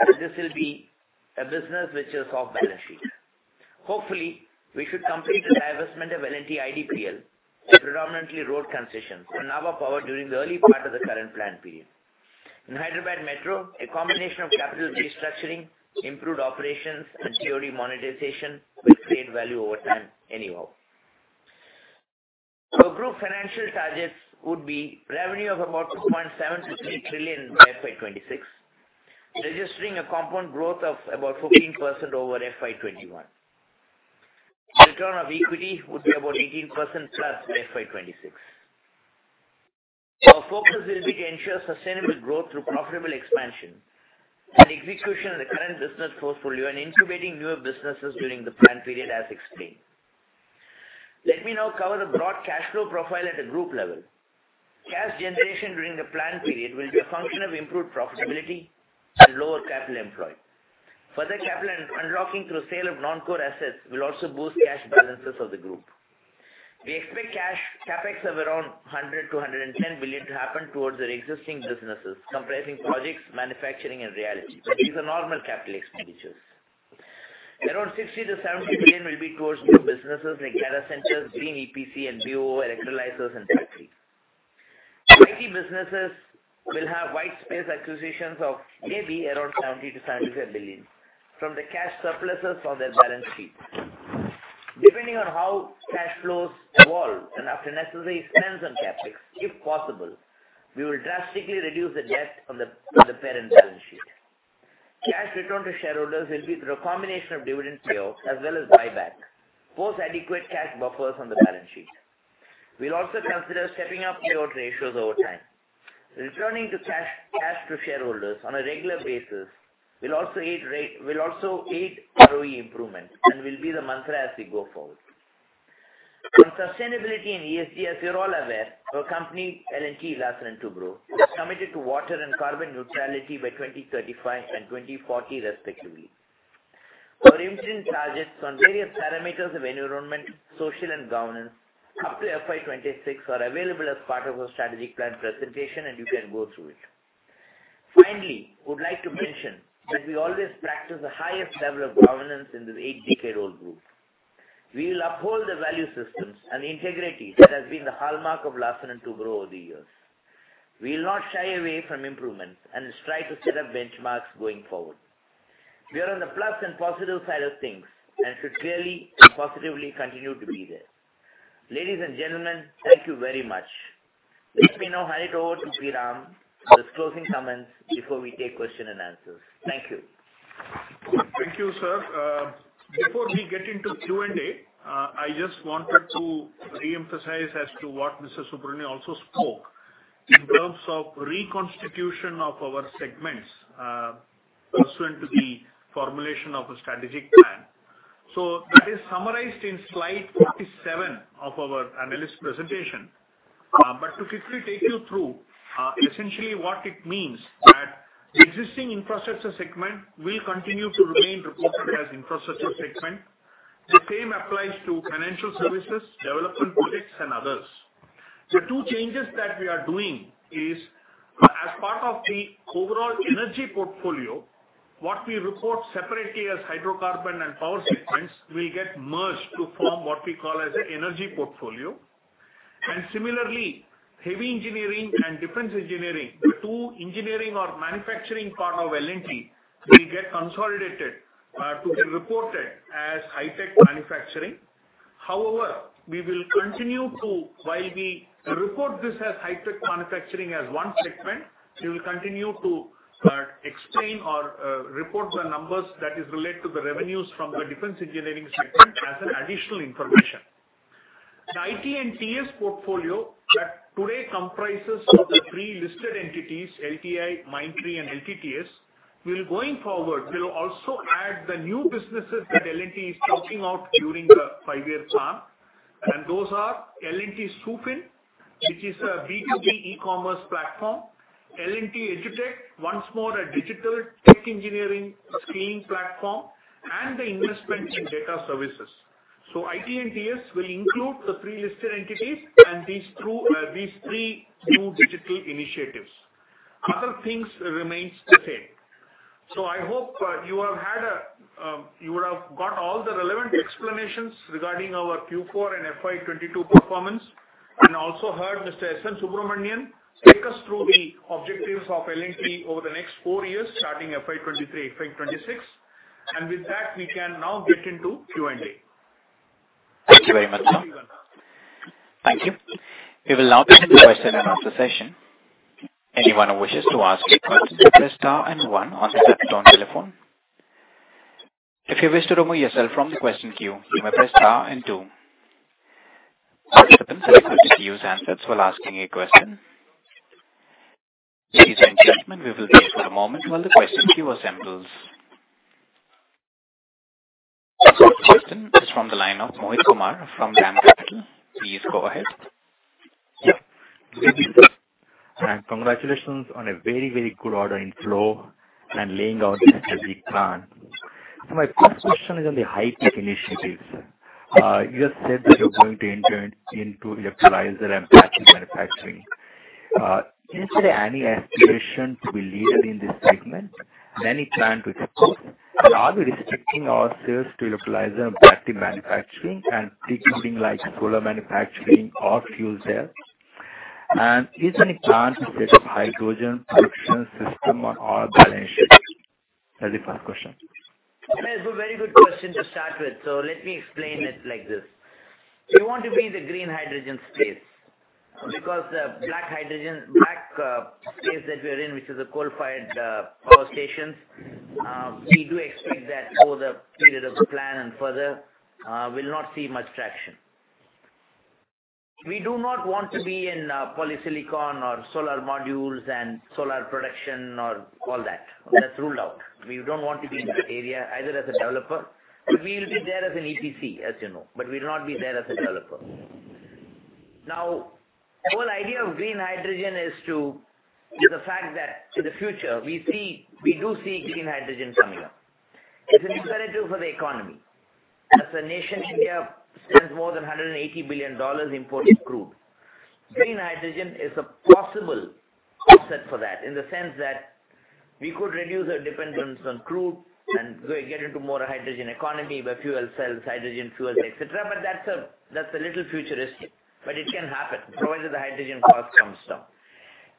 C: and this will be a business which is off balance sheet. Hopefully, we should complete the divestment of L&T IDPL, a predominantly road concession for Nabha Power during the early part of the current plan period. In Hyderabad Metro, a combination of capital restructuring, improved operations and COD monetization will create value over time anyhow. Group financial targets would be revenue of about 2.7 trillion-3 trillion by FY 2026, registering a compound growth of about 14% over FY 2021. Return on equity would be about 18%+ by FY 2026. Our focus will be to ensure sustainable growth through profitable expansion and execution of the current business portfolio and incubating newer businesses during the plan period as explained. Let me now cover the broad cash flow profile at a group level. Cash generation during the plan period will be a function of improved profitability and lower capital employed. Further capital unlocking through sale of non-core assets will also boost cash balances of the group. We expect cash CapEx of around 100 billion-INR110 billion to happen towards our existing businesses comprising projects, manufacturing and realty. These are normal capital expenditures. Around 60 billion-70 billion will be towards new businesses like data centers, green EPC and BOO electrolyzers and factories. IT businesses will have white space acquisitions of maybe around 70 billion- 75 billion from the cash surpluses on their balance sheet. Depending on how cash flows evolve and after necessary spends on CapEx, if possible, we will drastically reduce the debt on the parent balance sheet. Cash return to shareholders will be through a combination of dividend payout as well as buyback, post adequate cash buffers on the balance sheet. We'll also consider stepping up payout ratios over time. Returning to cash to shareholders on a regular basis will also aid ROE improvement and will be the mantra as we go forward. On sustainability and ESG, as you're all aware, our company, L&T, Larsen & Toubro, is committed to water and carbon neutrality by 2035 and 2040 respectively. Our interim targets on various parameters of environment, social and governance up to FY 2026 are available as part of our strategic plan presentation and you can go through it. Finally, I would like to mention that we always practice the highest level of governance in this eight-decade-old group. We will uphold the value systems and integrity that has been the hallmark of Larsen & Toubro over the years. We will not shy away from improvements and strive to set up benchmarks going forward. We are on the plus and positive side of things and should clearly and positively continue to be there. Ladies and gentlemen, thank you very much. Let me now hand it over to P. Ramakrishnan for his closing comments before we take questions and answers. Thank you.
B: Thank you, sir. Before we get into Q&A, I just wanted to reemphasize as to what Mr. Subrahmanyan also spoke in terms of reconstitution of our segments, pursuant to the formulation of a strategic plan. That is summarized in slide 47 of our analyst presentation. To quickly take you through, essentially what it means that the existing Infrastructure segment will continue to remain reported as Infrastructure segment. The same applies to financial services, development projects and others. The two changes that we are doing is as part of the overall energy portfolio, what we report separately as Hydrocarbon and Power segments will get merged to form what we call as a energy portfolio. Similarly, heavy engineering and defense engineering, the two engineering or manufacturing part of L&T, will get consolidated, to be reported as high-tech manufacturing. However, we will continue to, while we report this as high-tech manufacturing as one segment, explain or report the numbers that is related to the revenues from the defense engineering segment as an additional information. The IT & TS portfolio that today comprises of the three listed entities, LTI, Mindtree and LTTS, will going forward also add the new businesses that L&T is chalking out during the five-year plan, and those are L&T-SuFin. Which is a B2B e-commerce platform. L&T EduTech, one more a digital tech engineering skilling platform and the investment in data services. IT & TS will include the three listed entities and these three new digital initiatives. Other things remains the same. I hope you would have got all the relevant explanations regarding our Q4 and FY 2022 performance, and also heard Mr. S. N. Subrahmanyan take us through the objectives of L&T over the next four years, starting FY 2023 to FY 2026. With that, we can now get into Q&A.
A: Thank you very much, sir.
B: Thank you very much.
A: Thank you. We will now begin the question and answer session. Anyone who wishes to ask a question, press star and one on your telephone. If you wish to remove yourself from the question queue, you may press star and two. Participants are requested to use handsets while asking a question. Please stand by and we will wait for a moment while the question queue assembles. The first question is from the line of Mohit Kumar from DAM Capital. Please go ahead.
D: Yeah. Good evening, sir, and congratulations on a very, very good order inflow and laying out such a big plan. My first question is on the high-tech initiatives, sir. You have said that you're going to enter into electrolyzer and battery manufacturing. Is there any aspiration to be a leader in this segment? Then you plan to explore. Are we restricting ourselves to electrolyzer and battery manufacturing and precluding like solar manufacturing or fuel cell? Is there any plan to set up hydrogen production system on our balance sheet? That's the first question.
C: That's a very good question to start with, so let me explain it like this. We want to be in the green hydrogen space because the black hydrogen space that we are in, which is a coal-fired power stations, we do expect that through the period of the plan and further, will not see much traction. We do not want to be in polysilicon or solar modules and solar production or all that. That's ruled out. We don't want to be in that area either as a developer. We will be there as an EPC, as you know, but we'll not be there as a developer. Now, the whole idea of green hydrogen is the fact that in the future we see, we do see green hydrogen coming up. It's imperative for the economy. As a nation, India spends more than $180 billion importing crude. Green hydrogen is a possible offset for that, in the sense that we could reduce our dependence on crude and get into more hydrogen economy by fuel cells, hydrogen fuels, et cetera. That's a little futuristic, but it can happen provided the hydrogen cost comes down.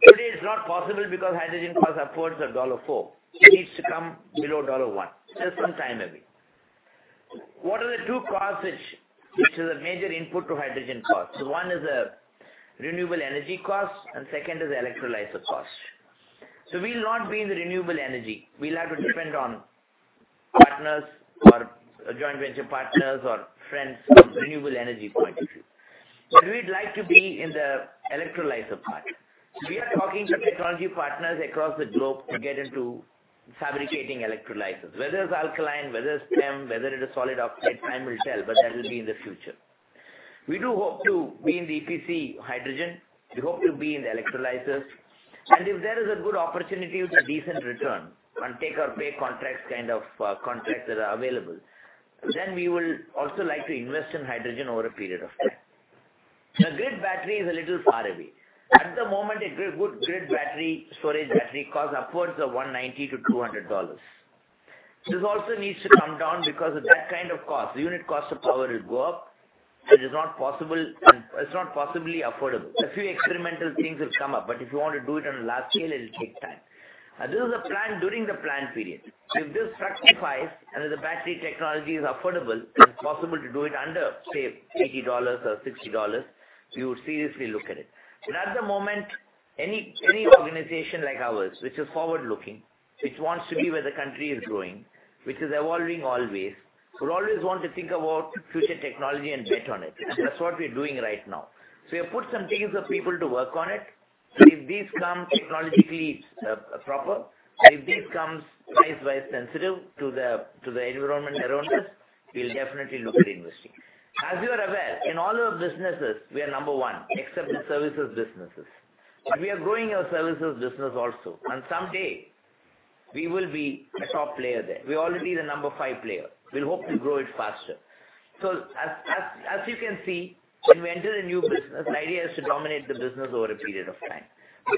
C: Today it's not possible because hydrogen costs upwards of $4. It needs to come below $1. Sometime maybe. What are the two costs which is a major input to hydrogen cost? One is the renewable energy cost and second is the electrolyzer cost. We'll not be in the renewable energy. We'll have to depend on partners or joint venture partners or friends from renewable energy point of view. We'd like to be in the electrolyzer part. We are talking to technology partners across the globe to get into fabricating electrolyzers. Whether it's alkaline, whether it's PEM, whether it is solid oxide, time will tell, but that will be in the future. We do hope to be in the EPC hydrogen. We hope to be in the electrolyzers. If there is a good opportunity with a decent return on take or pay contracts kind of contracts that are available, then we will also like to invest in hydrogen over a period of time. The grid battery is a little far away. At the moment, a good grid battery, storage battery costs upwards of $190-$200. This also needs to come down because at that kind of cost, the unit cost of Power will go up. It is not possible and it's not possibly affordable. A few experimental things have come up, but if you want to do it on a large scale, it'll take time. This is a plan during the plan period. If this fructifies and if the battery technology is affordable and it's possible to do it under, say, $80 or $60, we would seriously look at it. At the moment, any organization like ours, which is forward-looking, which wants to be where the country is growing, which is evolving always, will always want to think about future technology and bet on it. That's what we're doing right now. We have put some teams of people to work on it. If these come technologically proper, if this comes price-wise sensitive to the environment around us, we'll definitely look at investing. As you are aware, in all our businesses we are number one, except the services businesses. We are growing our services business also. Someday we will be a top player there. We're already the number five player. We'll hope to grow it faster. As you can see, when we enter a new business, the idea is to dominate the business over a period of time.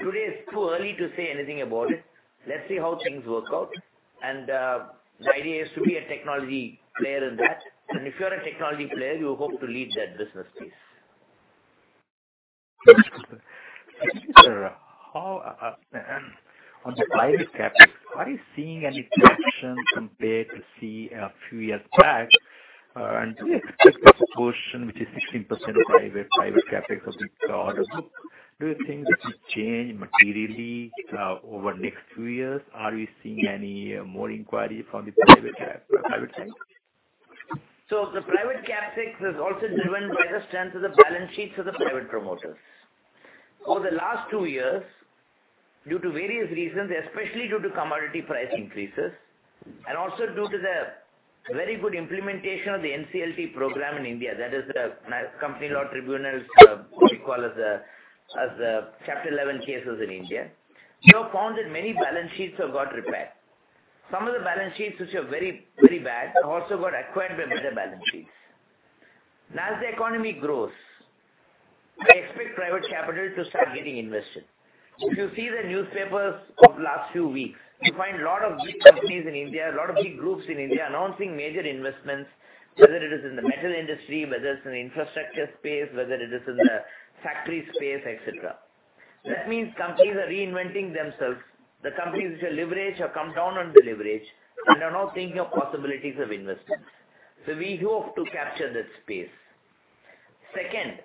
C: Today is too early to say anything about it. Let's see how things work out. The idea is to be a technology player in that. If you are a technology player, you hope to lead that business space.
D: Thank you, sir. How on the private CapEx are you seeing any traction compared to, say, a few years back? Just the portion which is 16% private CapEx of the total book, do you think that will change materially over next few years? Are we seeing any more inquiry from the private CapEx side?
C: The private CapEx is also driven by the strength of the balance sheet for the private promoters. Over the last two years, due to various reasons, especially due to commodity price increases, and also due to the very good implementation of the NCLT program in India. That is the company law tribunals, what we call as the Chapter eleven cases in India. You have found that many balance sheets have got repaired. Some of the balance sheets which are very, very bad have also got acquired by better balance sheets. Now, as the economy grows, I expect private capital to start getting invested. If you see the newspapers of last few weeks, you find a lot of big companies in India, a lot of big groups in India announcing major investments, whether it is in the metal industry, whether it's in Infrastructure space, whether it is in the factory space, et cetera. That means companies are reinventing themselves. The companies which are leveraged have come down on the leverage and are now thinking of possibilities of investments. We hope to capture that space. Second,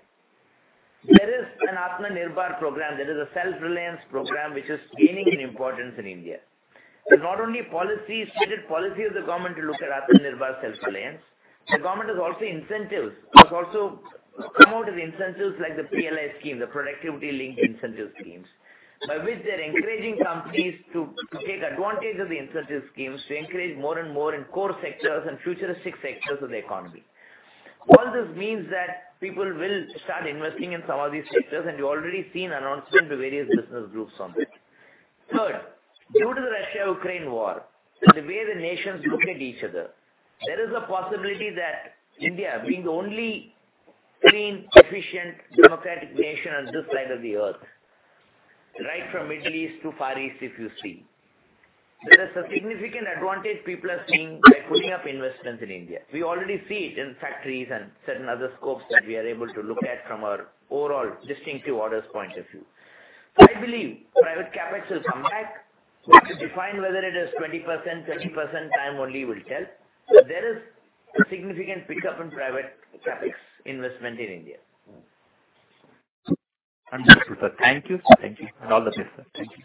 C: there is an Atmanirbhar program. That is a self-reliance program which is gaining in importance in India. It's not only policy, stated policy of the government to look at Atmanirbhar self-reliance. The government has also incentives. Has also come out with incentives like the PLI scheme, the Production Linked Incentive schemes, by which they're encouraging companies to take advantage of the incentive schemes to encourage more and more in core sectors and futuristic sectors of the economy. All this means that people will start investing in some of these sectors, and you've already seen announcements to various business groups on this. Third, due to the Russia-Ukraine war, the way the nations look at each other, there is a possibility that India being the only clean, efficient, democratic nation on this side of the earth, right from Middle East to Far East, if you see. There is a significant advantage people are seeing by putting up investments in India. We already see it in factories and certain other scopes that we are able to look at from our overall distinctive orders point of view. I believe private CapEx will come back. To define whether it is 20%, 30%, time only will tell. There is a significant pickup in private CapEx investment in India.
D: Wonderful. Thank you.
C: Thank you.
D: All the best, sir. Thank you.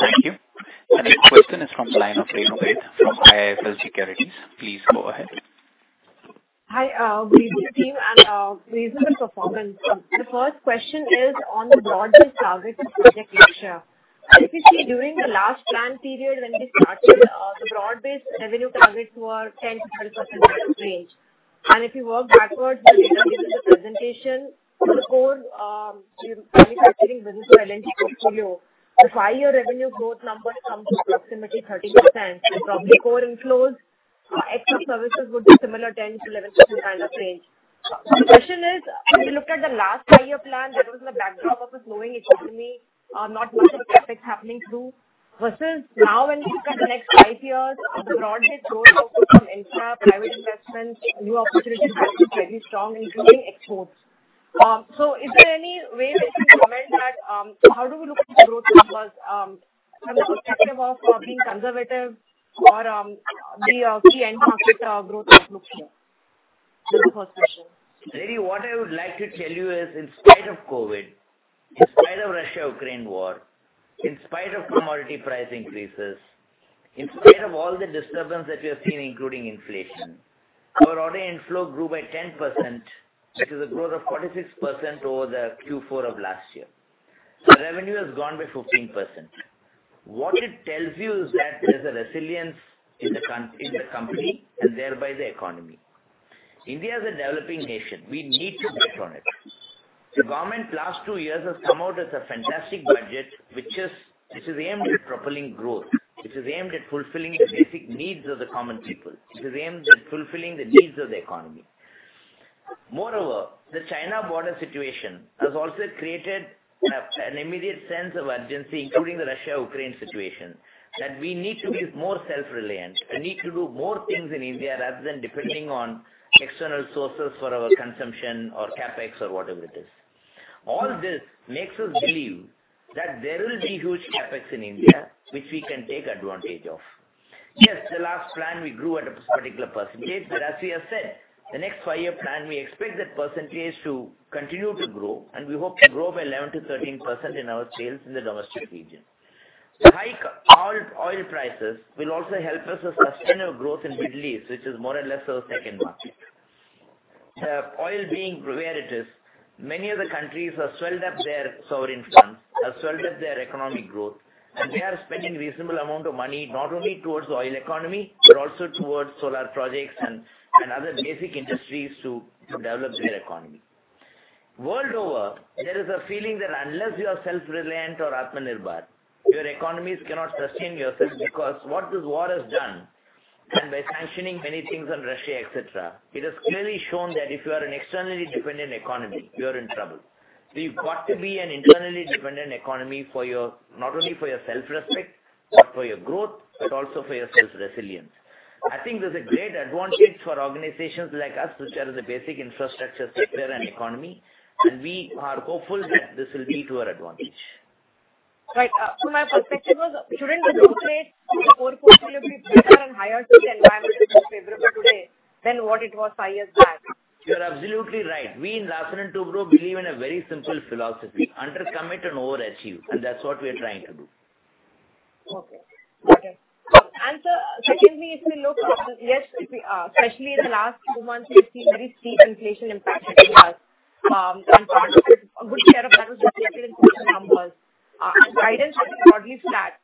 A: Thank you. The next question is from the line of Renu Baid from IIFL Securities. Please go ahead.
E: Hi, greetings team and reasonable performance. The first question is on the broad-based targets for the next year. If you see during the last plan period when we started, the broad-based revenue targets were 10%-12% range. If you work backwards, the data given in the presentation for the core manufacturing business or LNG portfolio, the five-year revenue growth number comes to approximately 30%. From the core inflows, extra services would be similar, 10%-11% kind of range. The question is, if you look at the last five-year plan, that was in the backdrop of a slowing economy, not much of a CapEx happening through, versus now when we look at the next five years, the broad-based growth outlook from infra, private investments, new opportunities have been very strong, including exports. Is there any way that you can comment on how we look at the growth numbers? Have you projected while being conservative or the end-market growth outlook here? This is the first question.
C: Renu, what I would like to tell you is in spite of COVID, in spite of Russia-Ukraine war, in spite of commodity price increases, in spite of all the disturbance that we have seen, including inflation, our order inflow grew by 10%, which is a growth of 46% over the Q4 of last year. Revenue has gone by 15%. What it tells you is that there's a resilience in the company and thereby the economy. India is a developing nation. We need to bet on it. The government last two years has come out with a fantastic budget, which is aimed at propelling growth, which is aimed at fulfilling the basic needs of the common people. It is aimed at fulfilling the needs of the economy. Moreover, the China border situation has also created an immediate sense of urgency, including the Russia-Ukraine situation, that we need to be more self-reliant. We need to do more things in India rather than depending on external sources for our consumption or CapEx or whatever it is. All this makes us believe that there will be huge CapEx in India, which we can take advantage of. Yes, the last plan we grew at a particular percentage, but as we have said, the next five-year plan, we expect that percentage to continue to grow and we hope to grow by 11%-13% in our sales in the domestic region. High crude oil prices will also help us to sustain our growth in Middle East, which is more or less our second market. Oil being where it is, many of the countries have swelled up their sovereign funds and economic growth, and they are spending reasonable amount of money not only towards the oil economy, but also towards solar projects and other basic industries to develop their economy. World over, there is a feeling that unless you are self-reliant or Atmanirbhar, your economies cannot sustain yourself because what this war has done and by sanctioning many things on Russia, et cetera, it has clearly shown that if you are an externally dependent economy, you are in trouble. You've got to be an internally dependent economy not only for your self-respect, but for your growth, but also for your self-resilience. I think there's a great advantage for organizations like us, which are in the basic Infrastructure sector and economy, and we are hopeful that this will be to our advantage.
E: Right. My perspective was, shouldn't the growth rate for four to five years be better and higher since the environment is more favorable today than what it was five years back?
C: You're absolutely right. We in Larsen & Toubro believe in a very simple philosophy, under commit and overachieve, and that's what we are trying to do.
E: Secondly, if we look, especially in the last two months, we've seen very steep inflation impact hitting us. Part of it, a good share of that was reflected in quarter numbers. Guidance was broadly flat.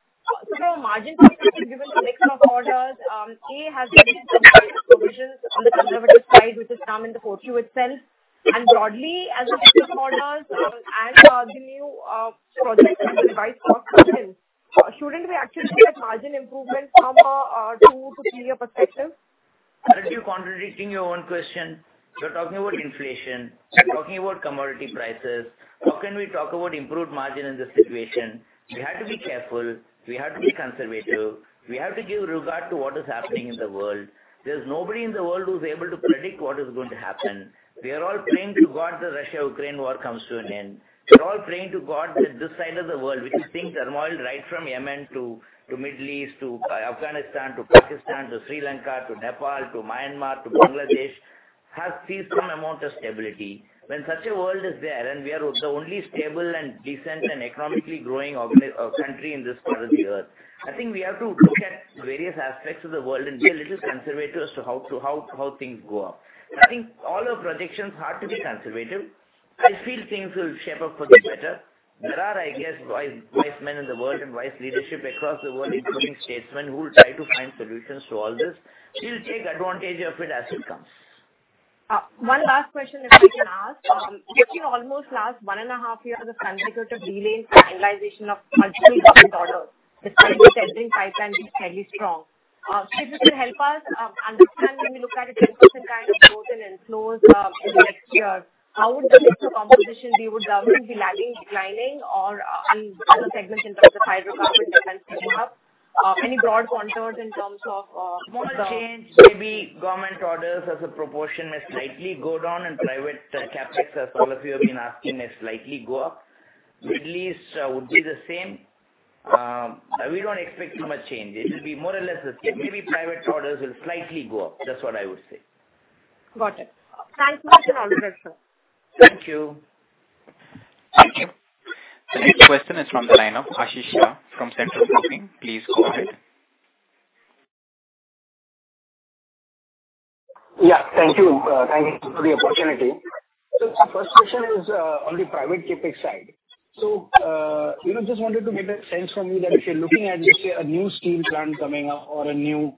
E: From a margin perspective, given the mix of orders, L&T has taken some guidance provisions on the conservative side, which is now in the quarter itself. Broadly, as the mix of orders and the new projects and input cost comes in, shouldn't we actually see that margin improvement from a two to three-year perspective?
C: Aren't you contradicting your own question? You're talking about inflation. You're talking about commodity prices. How can we talk about improved margin in this situation? We have to be careful. We have to be conservative. We have to give regard to what is happening in the world. There's nobody in the world who's able to predict what is going to happen. We are all praying to God the Russia-Ukraine war comes to an end. We're all praying to God that this side of the world, which is seeing turmoil right from Yemen to Middle East to Afghanistan to Pakistan to Sri Lanka to Nepal to Myanmar to Bangladesh, has seen some amount of stability. When such a world is there, and we are the only stable and decent and economically growing organi... Country in this part of the earth, I think we have to look at various aspects of the world and be a little conservative as to how things go up. I think all our projections have to be conservative. I feel things will shape up for the better. There are, I guess, wise men in the world and wise leadership across the world, including statesmen, who will try to find solutions to all this. We'll take advantage of it as it comes.
E: One last question that I can ask. We've seen almost last one and a half year the consecutive delay in finalization of multiple government orders, despite the tendering pipeline being fairly strong. If you can help us understand when we look at a 10% kind of growth in inflows, in the next year, how would the mix of composition be? Would government be lagging, declining or, in other segments in terms of Hydrocarbon development coming up? Any broad contours in terms of, the (audio distortion)
C: Maybe government orders as a proportion may slightly go down and private CapEx, as all of you have been asking, may slightly go up. Middle East would be the same. We don't expect too much change. It will be more or less the same. Maybe private orders will slightly go up. That's what I would say.
E: Got it. Thanks a lot for your answers, sir.
C: Thank you.
A: Thank you. The next question is from the line of Ashish Shah from Centrum Broking. Please go ahead.
F: Yeah, thank you. Thank you for the opportunity. The first question is on the private CapEx side. You know, just wanted to get a sense from you that if you're looking at, let's say, a new steel plant coming up or a new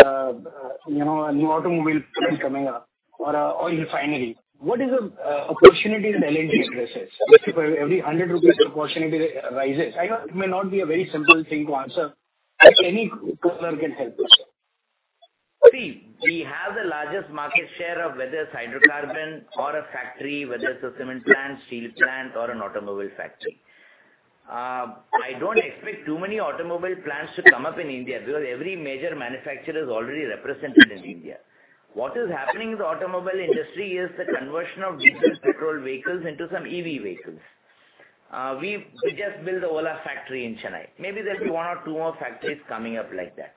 F: automobile plant coming up or a refinery, what is the opportunity that L&T addresses? If every 100 rupees proportionately rises. I know it may not be a very simple thing to answer, but any color can help us.
C: See, we have the largest market share of whether it's Hydrocarbon or a factory, whether it's a cement plant, steel plant, or an automobile factory. I don't expect too many automobile plants to come up in India because every major manufacturer is already represented in India. What is happening in the automobile industry is the conversion of diesel, petrol vehicles into some EV vehicles. We just built the Ola factory in Chennai. Maybe there'll be one or two more factories coming up like that.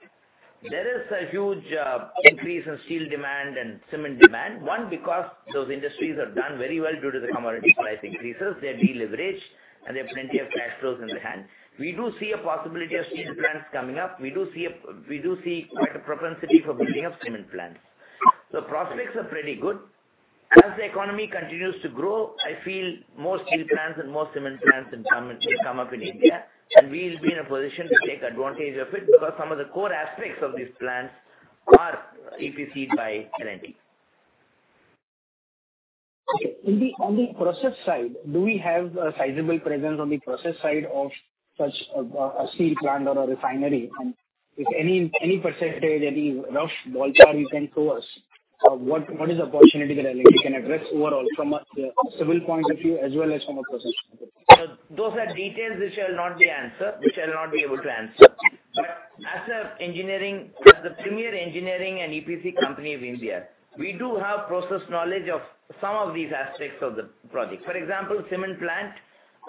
C: There is a huge increase in steel demand and cement demand. One, because those industries have done very well due to the commodity price increases. They're deleveraged, and they have plenty of cash flows in their hand. We do see a possibility of steel plants coming up. We do see quite a propensity for building of cement plants. The prospects are pretty good. As the economy continues to grow, I feel more steel plants and more cement plants and some will come up in India, and we'll be in a position to take advantage of it because some of the core aspects of these plants are EPC'd by L&T.
F: Okay. On the process side, do we have a sizable presence on the process side of such a steel plant or a refinery? If any percentage, any rough ballpark you can throw us of what is the opportunity that L&T can address overall from a civil point of view as well as from a process point of view?
C: Those are details we shall not be able to answer. As an engineering, as the premier engineering and EPC company of India, we do have process knowledge of some of these aspects of the project. For example, cement plant,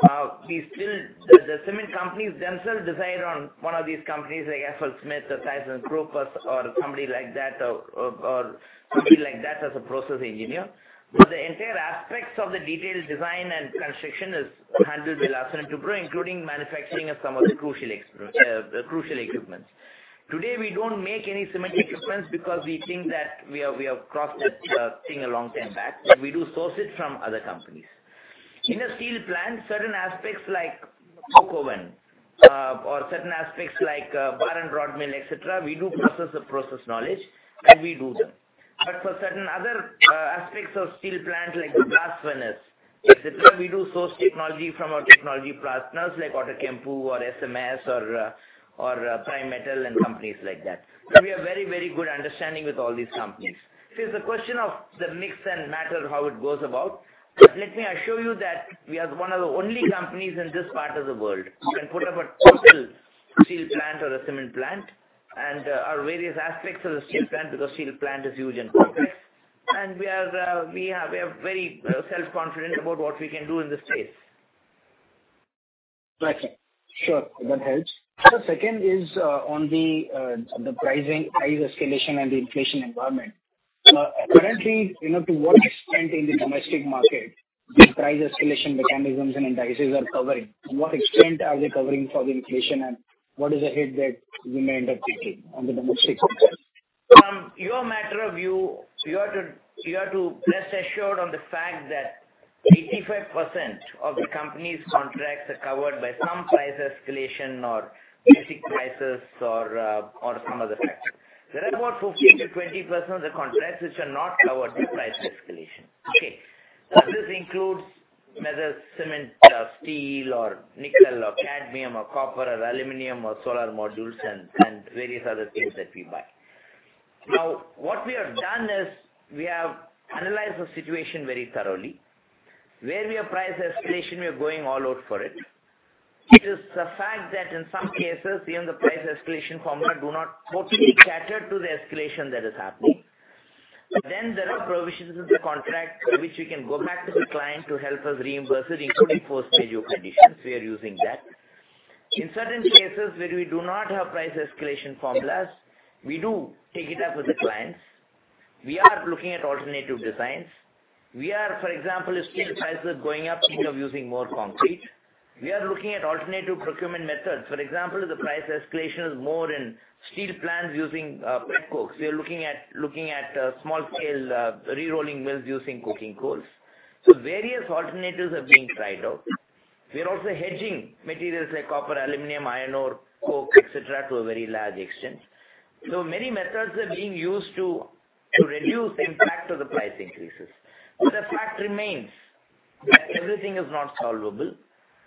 C: the cement companies themselves decide on one of these companies like FLSmidth or thyssenkrupp or somebody like that as a process engineer. The entire aspects of the detailed design and construction is handled by Larsen & Toubro, including manufacturing of some of the crucial equipment. Today, we don't make any cement equipment because we think that we have crossed this thing a long time back, and we do source it from other companies. In a steel plant, certain aspects like coke oven or bar and rod mill, et cetera, we do process the knowledge and we do them. For certain other aspects of steel plant, like the blast furnace, et cetera, we do source technology from our technology partners like Outokumpu or SMS or Primetals and companies like that. We have very good understanding with all these companies. It's a question of the mix and manner how it goes about. Let me assure you that we are one of the only companies in this part of the world who can put up a total steel plant or a cement plant and our various aspects of the steel plant, because steel plant is huge and complex, and we are very self-confident about what we can do in this space.
F: Got you. Sure. That helps. Second is, on the pricing, price escalation and the inflation environment. Currently, you know, to what extent in the domestic market these price escalation mechanisms and indices are covering? To what extent are they covering for the inflation, and what is the hit that we may end up taking on the domestic front end?
C: From your matter of view, you have to rest assured on the fact that 85% of the company's contracts are covered by some price escalation or basic prices or some other factor. There are about 15%-20% of the contracts which are not covered by price escalation. Okay? Now, this includes whether cement or steel or nickel or cadmium or copper or aluminum or solar modules and various other things that we buy. Now, what we have done is we have analyzed the situation very thoroughly. Where we have price escalation, we are going all out for it. It is a fact that in some cases, even the price escalation formula do not totally cater to the escalation that is happening. There are provisions in the contract which we can go back to the client to help us reimburse it, including force majeure conditions. We are using that. In certain cases where we do not have price escalation formulas, we do take it up with the clients. We are looking at alternative designs. We are, for example, if steel prices are going up, think of using more concrete. We are looking at alternative procurement methods. For example, if the price escalation is more in steel plants using petcoke. We are looking at small scale rerolling mills using coking coals. Various alternatives are being tried out. We are also hedging materials like copper, aluminum, iron ore, coke, et cetera, to a very large extent. Many methods are being used to reduce the impact of the price increases. The fact remains that everything is not solvable.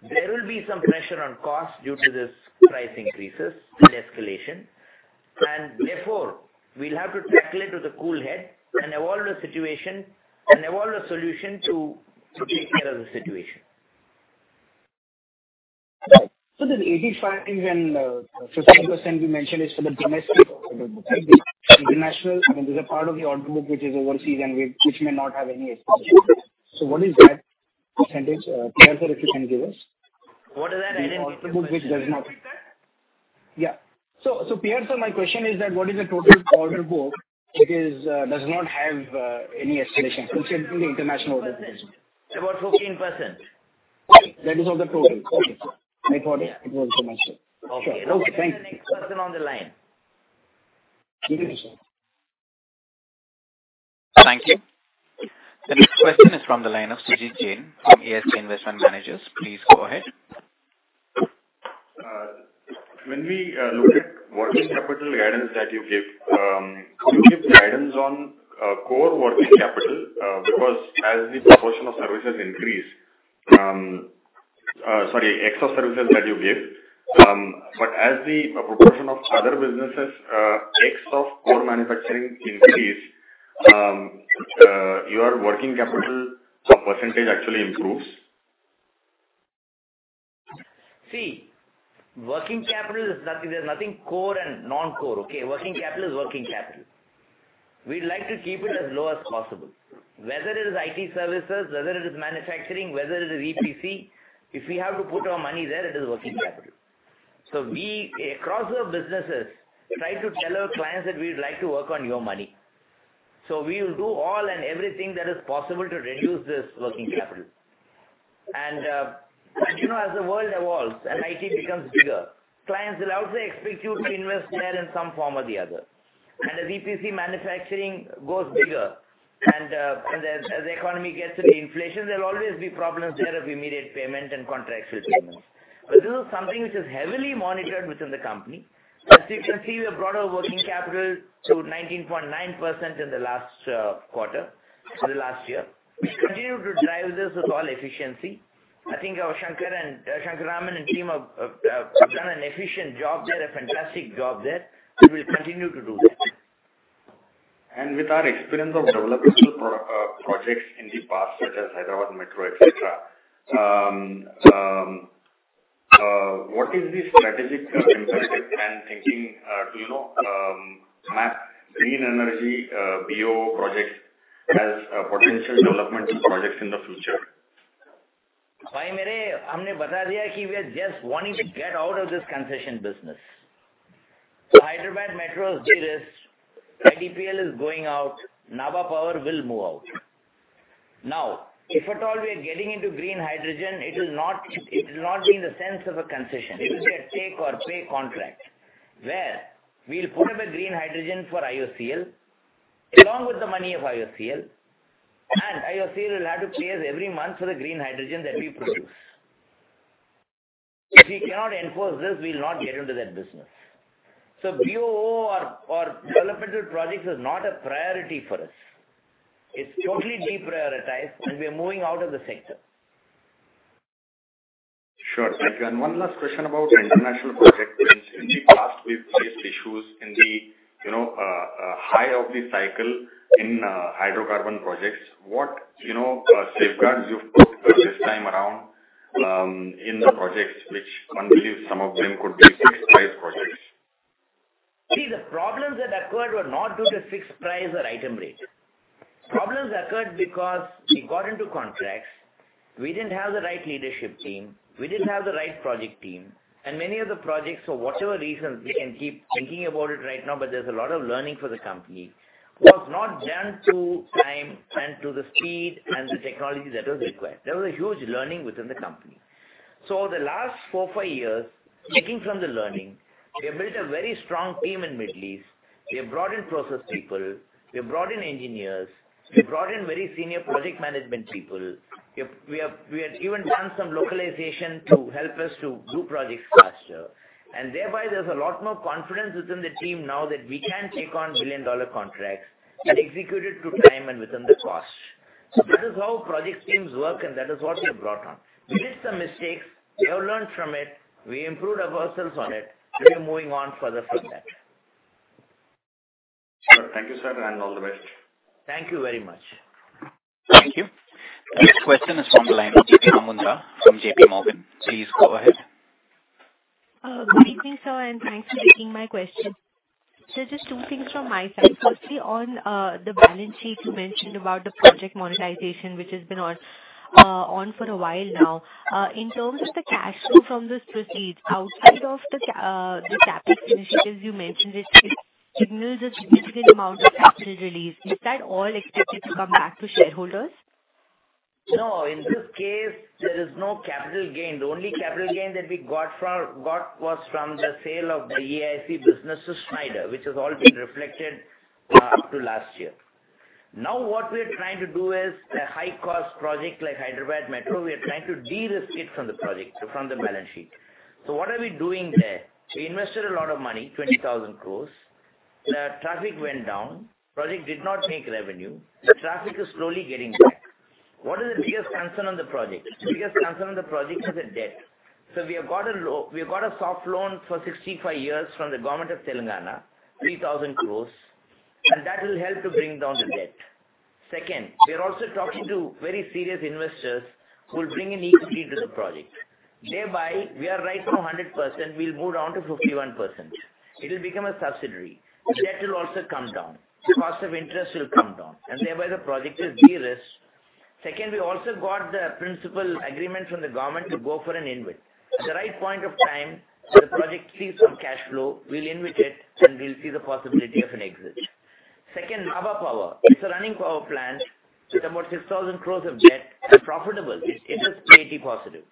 C: There will be some pressure on costs due to this price increases and escalation. Therefore, we'll have to tackle it with a cool head and evolve the situation and evolve a solution to take care of the situation.
F: The 85% and 60% you mentioned is for the domestic order book, right? The international, I mean, there's a part of the order book which is overseas and which may not have any escalation. What is that percentage, P.R. sir, if you can give us?
B: What is that item?
F: The portion which does not.
C: Can you repeat that?
F: P.R. sir, my question is that what is the total order book which is, does not have, any escalation, which include the international orders?
B: About 15%.
F: That is of the total? Okay. My apology. It was a misheard.
G: Okay.
F: Okay, thank you.
B: Next person on the line.
F: Thank you.
A: Thank you. The next question is from the line of Sumit Jain from ASK Investment Managers. Please go ahead.
H: When we look at working capital guidance that you gave, can you give guidance on core working capital? Because as the proportion of services increase, sorry, ex of services that you gave, but as the proportion of other businesses, ex of core manufacturing increase, your working capital percentage actually improves.
C: See, working capital is nothing. There's nothing core and non-core, okay? Working capital is working capital. We'd like to keep it as low as possible. Whether it is IT services, whether it is manufacturing, whether it is EPC, if we have to put our money there, it is working capital. We, across our businesses, try to tell our clients that we'd like to work on your money. We will do all and everything that is possible to reduce this working capital. But, you know, as the world evolves and IT becomes bigger, clients will also expect you to invest there in some form or the other. As EPC manufacturing goes bigger and, as the, as the economy gets into inflation, there'll always be problems there of immediate payment and contractual payments. This is something which is heavily monitored within the company. As you can see, we have brought our working capital to 19.9% in the last year. We continue to drive this with all efficiency. I think our Shankar Raman and team have done an efficient job there, a fantastic job there. We will continue to do that.
H: With our experience of developmental projects in the past such as Hyderabad Metro, et cetera, what is the strategic imperative and thinking to you know map green energy BOO projects as potential developmental projects in the future?
C: We are just wanting to get out of this concession business. Hyderabad Metro is de-risked. IDPL is going out. Nabha Power will move out. Now, if at all we are getting into green hydrogen, it will not be in the sense of a concession. It will be a take or pay contract, where we'll put up a green hydrogen for IOCL along with the money of IOCL, and IOCL will have to pay us every month for the green hydrogen that we produce. If we cannot enforce this, we'll not get into that business. BOO or developmental projects is not a priority for us. It's totally deprioritized, and we are moving out of the sector.
H: Sure, thank you. One last question about international projects. In the past, we've faced issues in the, you know, height of the cycle in Hydrocarbon projects. What, you know, safeguards you've put this time around in the projects, which one believes some of them could be fixed price projects?
C: See, the problems that occurred were not due to fixed price or item rate orders. They occurred because we got into contracts. We didn't have the right leadership team, we didn't have the right project team, and many of the projects, for whatever reason, we can keep thinking about it right now, but there's a lot of learning for the company, was not done on time and to the speed and the technology that was required. There was a huge learning within the company. The last four to five years, taking from the learning, we have built a very strong team in Middle East. We have brought in process people, we have brought in engineers, we have brought in very senior project management people. We have even done some localization to help us to do projects faster. Thereby there's a lot more confidence within the team now that we can take on billion-dollar contracts and execute it to time and within the cost. That is how project teams work, and that is what we have brought on. We made some mistakes. We have learned from it. We improved ourselves on it. We are moving on further from that.
H: Sure. Thank you, sir, and all the best.
C: Thank you very much.
A: Thank you. Next question is from the line of J.P. Mundra from JPMorgan. Please go ahead.
I: Good evening, sir, and thanks for taking my question. Just two things from my side. Firstly, on the balance sheet, you mentioned about the project monetization, which has been on for a while now. In terms of the cash flow from this proceeds, outside of the CapEx initiatives you mentioned, it signals a significant amount of capital release. Is that all expected to come back to shareholders?
C: No. In this case, there is no capital gain. The only capital gain that we got was from the sale of the E&A business to Schneider, which has all been reflected up to last year. Now, what we're trying to do is a high-cost project like Hyderabad Metro, we are trying to de-risk it from the project, from the balance sheet. What are we doing there? We invested a lot of money, 20,000 crore. The traffic went down. Project did not make revenue. Traffic is slowly getting back. What is the biggest concern on the project? The biggest concern on the project is the debt. We have got a soft loan for 65 years from the government of Telangana, 3,000 crore, and that will help to bring down the debt. Second, we are also talking to very serious investors who will bring in equity to the project. Thereby, we are right from 100%, we'll move down to 51%. It'll become a subsidiary. Debt will also come down. Cost of interest will come down. Thereby the project is de-risked. Second, we also got the in-principle agreement from the government to go for an InvIT. At the right point of time, the project sees some cash flow, we'll invite it, and we'll see the possibility of an exit. Second, Nabha Power. It's a running Power plant with about 6,000 crore of debt and profitable. It is pretty positive.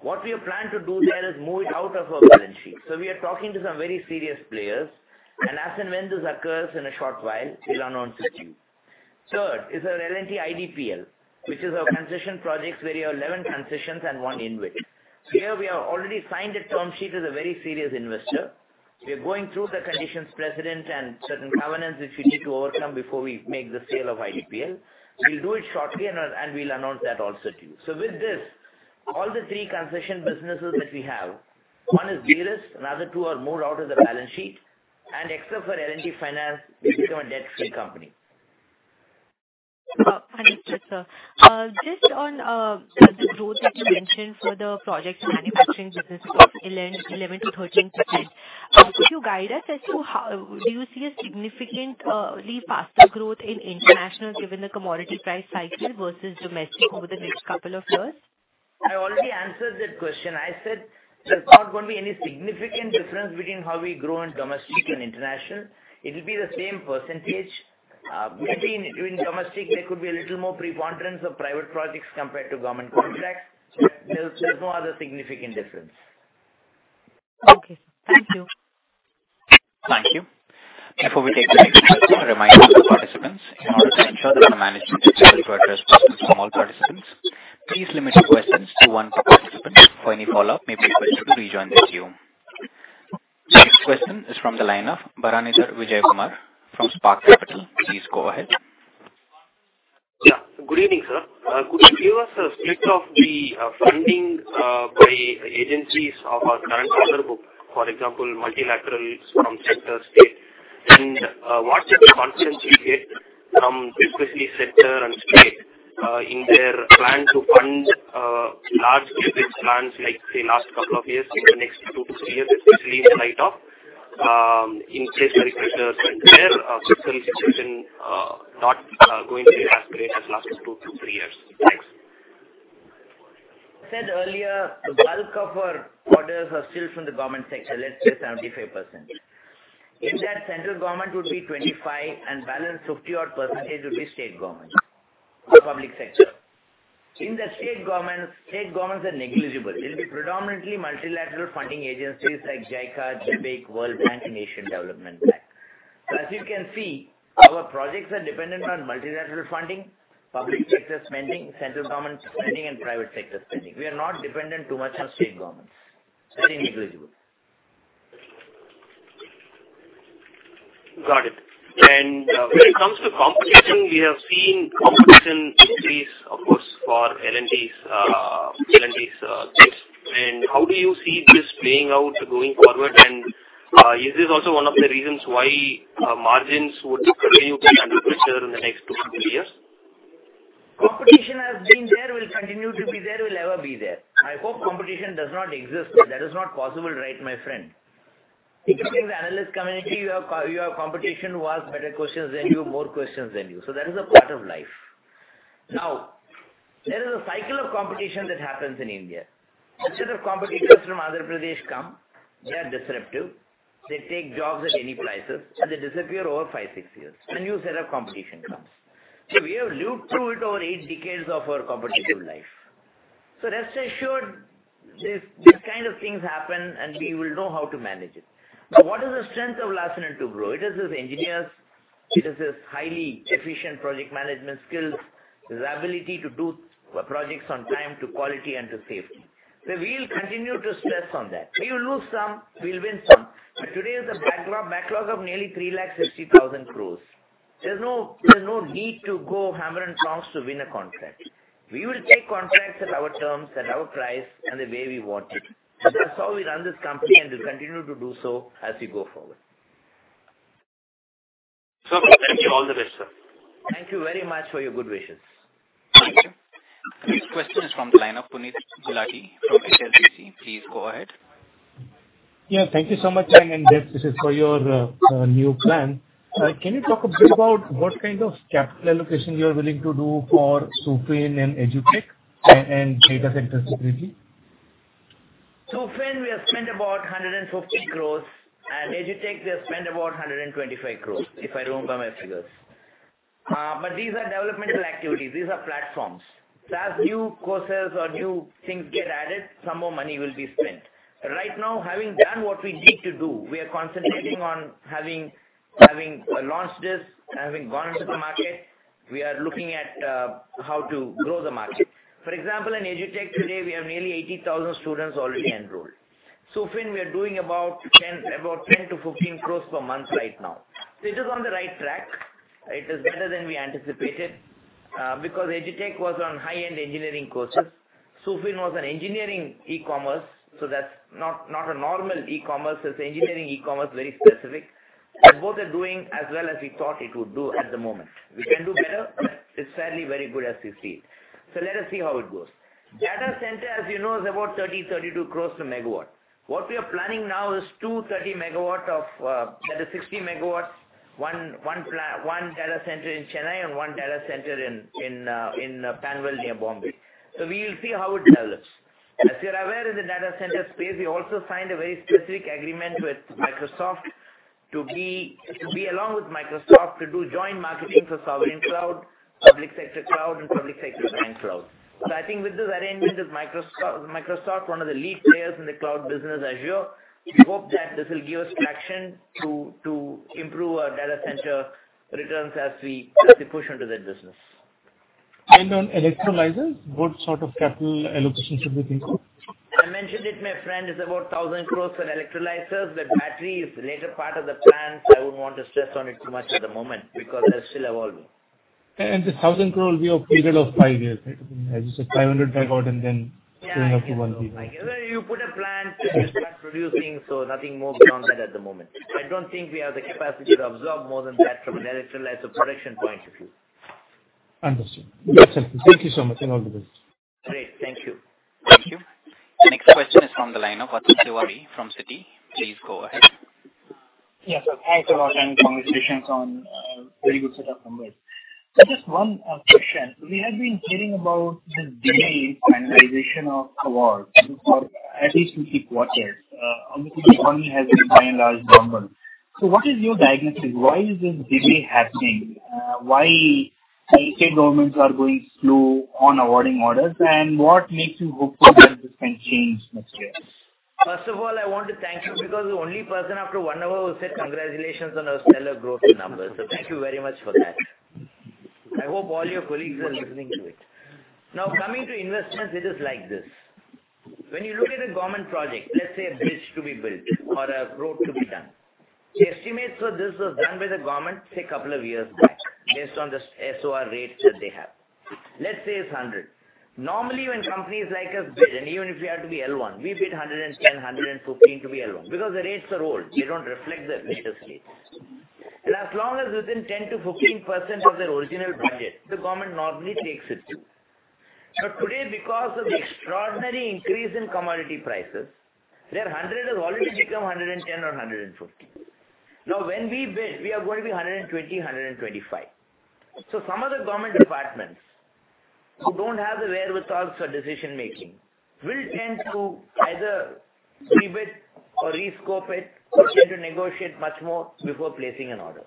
C: What we plan to do there is move it out of our balance sheet. We are talking to some very serious players. As and when this occurs in a short while, we'll announce it to you. Third is our L&T IDPL, which is our concession projects where we have 11 concessions and one InvIT. Here we have already signed a term sheet with a very serious investor. We are going through the conditions precedent and certain covenants which we need to overcome before we make the sale of IDPL. We'll do it shortly and we'll announce that also to you. With this, all the three concession businesses that we have, one is de-risked, another two are moved out of the balance sheet. Except for L&T Finance, we become a debt-free company.
I: Thank you, sir. Just on the growth that you mentioned for the project manufacturing business of 11%-13%. Could you guide us as to how do you see a significant leap faster growth in international given the commodity price cycle versus domestic over the next couple of years?
C: I already answered that question. I said there's not gonna be any significant difference between how we grow in domestic and international. It'll be the same percentage. Maybe in domestic there could be a little more preponderance of private projects compared to government contracts. There's no other significant difference.
I: Okay. Thank you.
A: Thank you. Before we take the next question, a reminder to the participants. In order to ensure that the management is able to address questions from all participants, please limit your questions to one per participant. For any follow-up, may please request you to rejoin the queue. Next question is from the line of Bharanidhar Vijayakumar from Spark Capital. Please go ahead.
J: Yeah. Good evening, sir. Could you give us a split of the funding by agencies of our current order book? For example, multilaterals from central state. What's the confidence you get from especially central and state in their plan to fund large CapEx plans like the last couple of years in the next two to three years, especially in light of increased borrowing pressures and their fiscal situation not going very fast way as last two to three years. Thanks.
C: I said earlier, the bulk of our orders are still from the government sector. Let's say 75%. In that, central government would be 25%, and balance 50-odd % would be state government or public sector. In the state government, state governments are negligible. It'll be predominantly multilateral funding agencies like JICA, JBIC, World Bank, and Asian Development Bank. As you can see, our projects are dependent on multilateral funding, public sector spending, central government spending, and private sector spending. We are not dependent too much on state governments. It's very negligible.
J: Got it. When it comes to competition, we have seen competition increase, of course, for L&T's bids. How do you see this playing out going forward? Is this also one of the reasons why margins would continue to be under pressure in the next two to three years?
C: Competition has been there, will continue to be there, will ever be there. I hope competition does not exist, but that is not possible, right, my friend? Coming to the analyst community, you have competition who ask better questions than you, more questions than you. That is a part of life. Now, there is a cycle of competition that happens in India. A set of competitors from Andhra Pradesh come, they are disruptive, they take jobs at any prices, and they disappear over five, six years. A new set of competition comes. We have looped through it over eight decades of our competitive life. Rest assured this, these kind of things happen, and we will know how to manage it. Now, what is the strength of Larsen & Toubro? It is its engineers. It is its highly efficient project management skills. It is ability to do projects on time, to quality and to safety. We'll continue to stress on that. We will lose some, we'll win some. Today is a backlog of nearly 360,000 crore. There's no need to go hammer and tongs to win a contract. We will take contracts at our terms, at our price, and the way we want it. That's how we run this company, and we'll continue to do so as we go forward.
J: Sir, thank you. All the best, sir.
C: Thank you very much for your good wishes.
A: Thank you. Next question is from the line of Punit Gulati from HDFC. Please go ahead.
G: Yeah, thank you so much, and best wishes for your new plan. Can you talk a bit about what kind of capital allocation you are willing to do for SuFin and EduTech and data center security?
C: SuFin, we have spent about 150 crores, and EduTech we have spent about 125 crores, if I don't botch my figures. These are developmental activities. These are platforms. As new courses or new things get added, some more money will be spent. Right now, having done what we need to do, we are concentrating on having launched this, having gone to the market, we are looking at how to grow the market. For example, in EduTech today we have nearly 80,000 students already enrolled. SuFin we are doing about 10 crores-15 crores per month right now. It is on the right track. It is better than we anticipated, because EduTech was on high-end engineering courses. SuFin was an engineering e-commerce, so that's not a normal e-commerce. It's engineering e-commerce, very specific. Both are doing as well as we thought it would do at the moment. We can do better, but it's fairly very good as we see it. Let us see how it goes. Data center, as you know, is about 30 crores-32 crore to megawatt. What we are planning now is two 30 MW. That is 60MW, one data center in Chennai and one data center in Panvel near Bombay. We'll see how it develops. As you're aware, in the data center space, we also signed a very specific agreement with Microsoft to be along with Microsoft to do joint marketing for sovereign cloud, public sector cloud, and public sector bank cloud. I think with this arrangement, as Microsoft, one of the leading players in the cloud business, Azure, we hope that this will give us traction to improve our data center returns as we push into that business.
G: On electrolyzers, what sort of capital allocation should we think of?
C: I mentioned it, my friend. It's about 1,000 crore on electrolyzers, but battery is later part of the plans. I wouldn't want to stress on it too much at the moment because that's still evolving.
G: 1,000 crore will be over a period of five years, right? I mean, as you said, 500 MW and then scaling up to 1 GW.
C: Yeah. I guess. Well, you put a plan, you start producing, so nothing more beyond that at the moment. I don't think we have the capacity to absorb more than that from an electrolyzer production point of view.
G: Understood. Makes sense. Thank you so much, and all the best.
C: Great. Thank you.
A: Thank you. The next question is from the line of Atul Tiwari from Citi. Please go ahead.
K: Yes, sir. Thanks a lot and congratulations on very good set of numbers. Just one question. We had been hearing about this delay in finalization of awards for at least two to three quarters. Obviously, Q1 has a very large number. What is your diagnostic? Why is this delay happening? Why state governments are going slow on awarding orders? What makes you hopeful that this can change next year?
C: First of all, I want to thank you because the only person after one hour who said congratulations on our stellar growth in numbers, so thank you very much for that. I hope all your colleagues are listening to it. Now, coming to investments, it is like this. When you look at a government project, let's say a bridge to be built or a road to be done, the estimates for this was done by the government say couple of years back based on the SOR rates that they have. Let's say it's 100. Normally, when companies like us bid, and even if we have to be L1, we bid 110, 115 to be L1. Because the rates are old, they don't reflect the latest rates. As long as within 10%-15% of their original budget, the government normally takes it. Today, because of the extraordinary increase in commodity prices, their 100% has already become 110% or 115%. Now, when we bid, we are going to be 120%, 125%. So some of the government departments who don't have the wherewithals for decision-making will tend to either pre-bid or re-scope it or tend to negotiate much more before placing an order.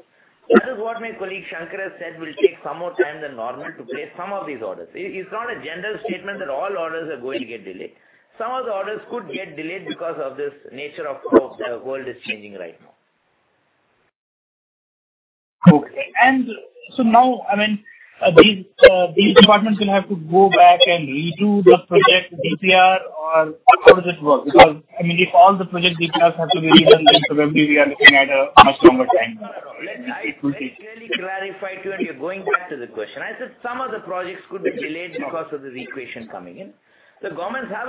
C: This is what my colleague Shankar Raman has said, will take some more time than normal to place some of these orders. It's not a general statement that all orders are going to get delayed. Some of the orders could get delayed because of this nature of the world is changing right now.
K: Okay. Now, I mean, these departments will have to go back and redo the project DPR or how does it work? Because, I mean, if all the project DPRs have to be redone, then probably we are looking at a much longer timeline.
C: Let me very clearly clarify to you. You're going back to the question. I said some of the projects could be delayed because of the reevaluation coming in. The governments have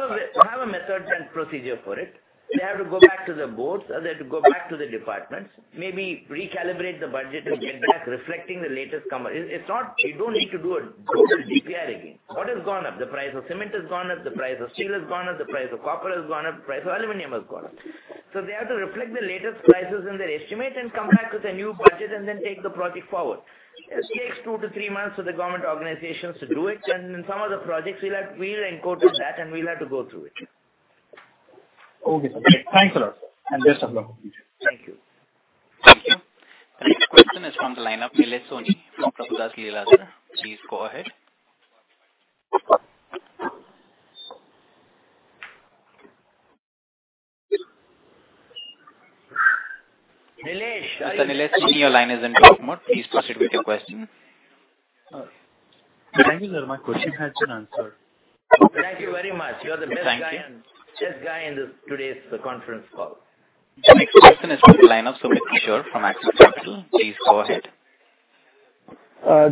C: a method and procedure for it. They have to go back to the boards, or they have to go back to the departments, maybe recalibrate the budget and get back reflecting the latest. It's not. They don't need to do a total DPR again. What has gone up? The price of cement has gone up, the price of steel has gone up, the price of copper has gone up, price of aluminum has gone up. So they have to reflect the latest prices in their estimate and come back with a new budget and then take the project forward. This takes two to three months for the government organizations to do it. In some of the projects we've encoded that, and we'll have to go through it.
K: Okay, sir. Thanks a lot and best of luck. Thank you.
A: Thank you. The next question is from the line of Nilesh Soni from Kotak Securities. Please go ahead.
C: Nilesh, are you-
A: Mr. Nilesh, your line is in mute mode. Please proceed with your question.
L: Thank you, sir. My question has been answered.
C: Thank you very much. You are the best guy.
A: Thank you.
C: Best guy in this today's conference call.
A: The next question is from the line of Sumit Kishore from Axis Capital. Please go ahead.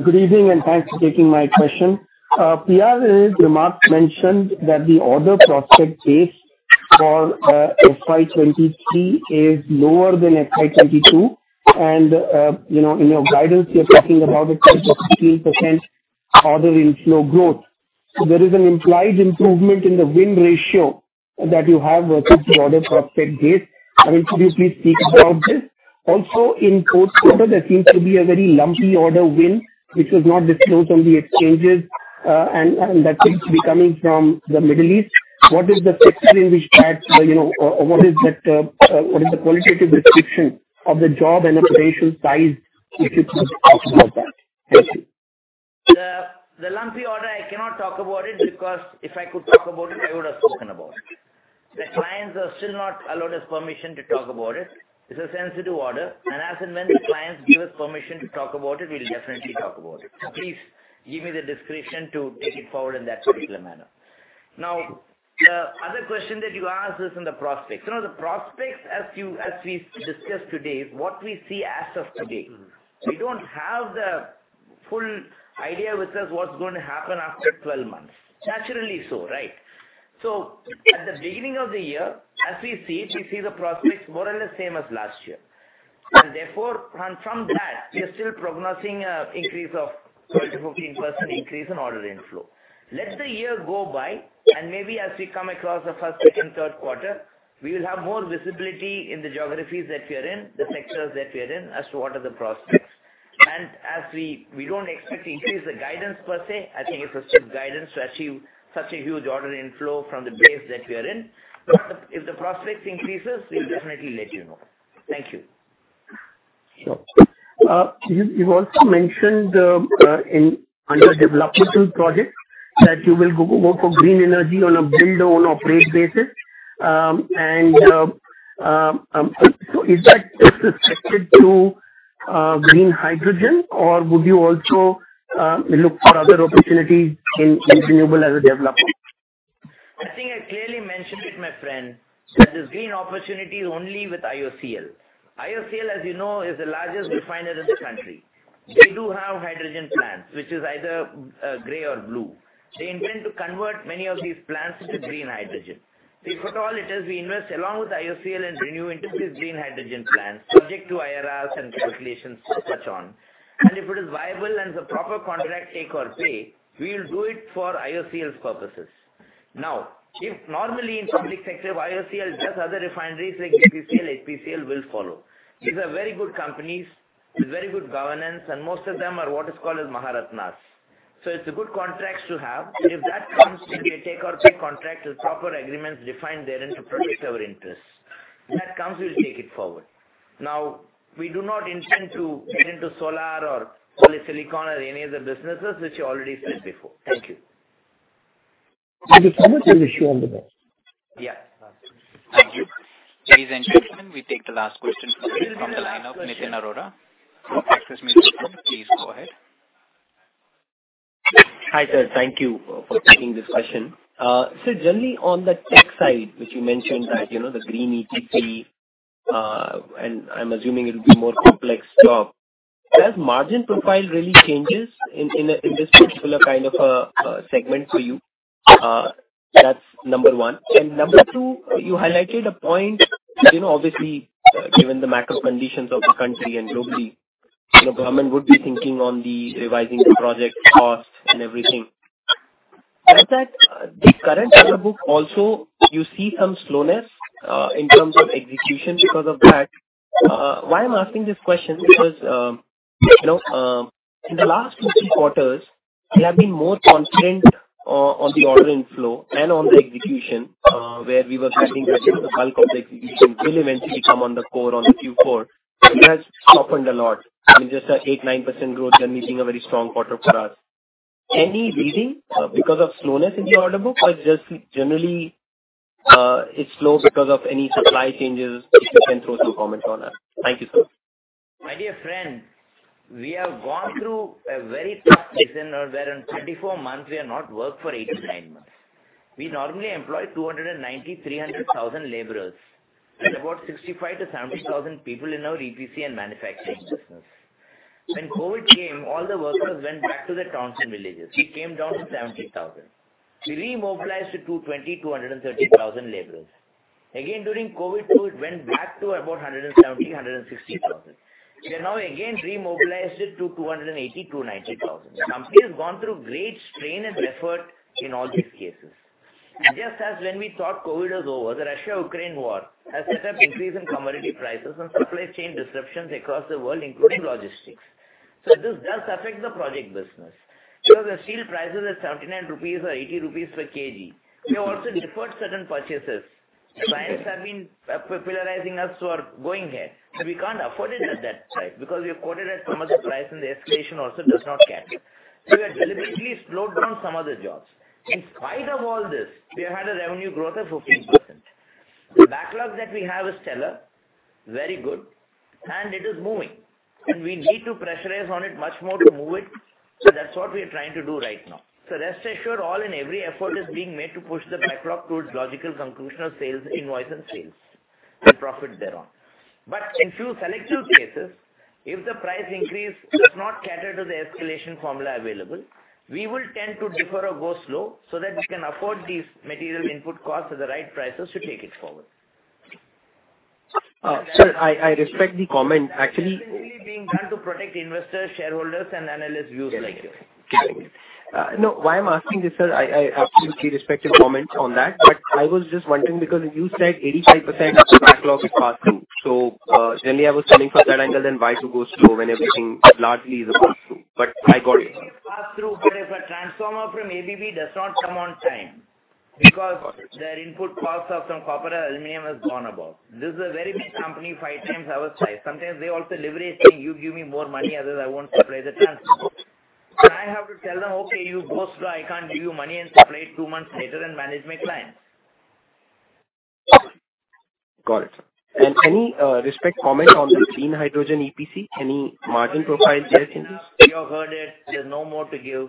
M: Good evening and thanks for taking my question. PR's remarks mentioned that the order prospect base for FY 2023 is lower than FY 2022 and, you know, in your guidance you're talking about a 12%-15% order inflow growth. There is an implied improvement in the win ratio that you have versus order prospect base. I mean, could you please speak about this? Also in fourth quarter, there seems to be a very lumpy order win which was not disclosed on the exchanges, and that seems to be coming from the Middle East. What is the sector in which that, you know, or what is that, what is the qualitative description of the job and the potential size, if you could talk about that? Thank you.
C: The lumpy order, I cannot talk about it because if I could talk about it, I would have spoken about it. The clients are still not allowed us permission to talk about it. It's a sensitive order, and as and when the clients give us permission to talk about it, we'll definitely talk about it. Please give me the discretion to take it forward in that particular manner. Now, the other question that you asked is in the prospects. You know, the prospects as we discussed today, what we see as of today. We don't have the full idea with us what's going to happen after 12 months. Naturally so, right? At the beginning of the year, as we see it, we see the prospects more or less same as last year. Therefore, from that we are still projecting an increase of 12%-15% in order inflow. Let the year go by and maybe as we come across the first, second, third quarter, we will have more visibility in the geographies that we are in, the sectors that we are in as to what are the prospects. As we don't expect to increase the guidance per se. I think it's a strict guidance to achieve such a huge order inflow from the base that we are in. If the prospects increase, we'll definitely let you know. Thank you.
M: Sure. You also mentioned in our developmental projects that you will go for green energy on a build-own-operate basis. Is that restricted to green hydrogen or would you also look for other opportunities in renewables as a developer?
C: I think I clearly mentioned it, my friend, that this green opportunity is only with IOCL. IOCL, as you know, is the largest refiner in the country. They do have hydrogen plants, which is either gray or blue. They intend to convert many of these plants into green hydrogen. If at all it is, we invest along with IOCL and ReNew into this green hydrogen plant, subject to IRRs and calculations and such on. If it is viable and it's a proper contract take or pay, we'll do it for IOCL's purposes. Now, if normally in public sector IOCL does other refineries like BPCL, HPCL will follow. These are very good companies with very good governance and most of them are what is called as Maharatnas. It's a good contract to have. If that comes, we take our EPC contract with proper agreements defined therein to protect our interests. If that comes, we'll take it forward. Now, we do not intend to get into solar or polysilicon or any other businesses which you already said before. Thank you.
M: Understood. Wish you all the best.
C: Yeah.
L: Thank you.
A: Ladies and gentlemen, we take the last question from the line of Nitin Arora from Axis Mutual Fund. Please go ahead.
N: Hi, sir. Thank you for taking this question. So generally on the tech side, which you mentioned that, you know, the green EPC, and I'm assuming it'll be more complex job. Does margin profile really changes in this particular kind of a segment for you? That's number one. Number two, you highlighted a point, you know, obviously, given the macro conditions of the country and globally, the government would be thinking on revising the project costs and everything. Is that the current order book also you see some slowness in terms of execution because of that?
L: Why I'm asking this question because, you know, in the last two, three quarters, you have been more confident on the order inflow and on the execution, where we were expecting that the bulk of the execution will eventually come on the core on the Q4. It has softened a lot. I mean, just 8%-9% growth not meeting a very strong quarter for us. Any reason because of slowness in the order book or just generally, it's slow because of any supply changes? If you can throw some comments on that. Thank you, sir.
C: My dear friend, we have gone through a very tough season wherein 34 months we have not worked for eight to nine months. We normally employ 290,000-300,000 laborers. There are about 65,000-70,000 people in our EPC and manufacturing business. When COVID came, all the workers went back to their towns and villages. We came down to 70,000. We remobilized to 220,000-230,000 laborers. Again, during COVID too, it went back to about 160,000-170,000. We have now again remobilized it to 280,000-290,000. The company has gone through great strain and effort in all these cases. Just as when we thought COVID was over, the Russia-Ukraine war has set off an increase in commodity prices and supply chain disruptions across the world, including logistics. This does affect the project business because the steel prices are 79 rupees or 80 rupees per kg. We have also deferred certain purchases. The clients have been pressurizing us for going ahead, so we can't afford it at that price because we have quoted at some price, and the escalation also does not cover. We have deliberately slowed down some of the jobs. In spite of all this, we have had a revenue growth of 15%. The backlog that we have is stellar, very good, and it is moving. We need to put pressure on it much more to move it. That's what we are trying to do right now. Rest assured, all and every effort is being made to push the backlog towards logical conclusion of sales invoicing and sales and profit thereon. In few selective cases, if the price increase does not cater to the escalation formula available, we will tend to defer or go slow so that we can afford these material input costs at the right prices to take it forward.
N: Sir, I respect the comment. Actually.
C: That is essentially being done to protect investors, shareholders and analysts' views like you.
N: Getting it. No, why I'm asking this, sir, I absolutely respect your comment on that. I was just wondering, because you said 85% of the backlog is pass-through. Generally I was coming from that angle then why to go slow when everything largely is a pass-through. I got it.
C: It's pass-through, but if a transformer from ABB does not come on time because their input costs of some copper, aluminum has gone above. This is a very big company, five times our size. Sometimes they also leverage me, "You give me more money, otherwise I won't supply the transformer." I have to tell them, "Okay, you go slow. I can't give you money and supply it two months later and manage my clients.
N: Got it. Any respect comment on the clean hydrogen EPC? Any margin profile there, Kirti?
C: You have heard it. There's no more to give.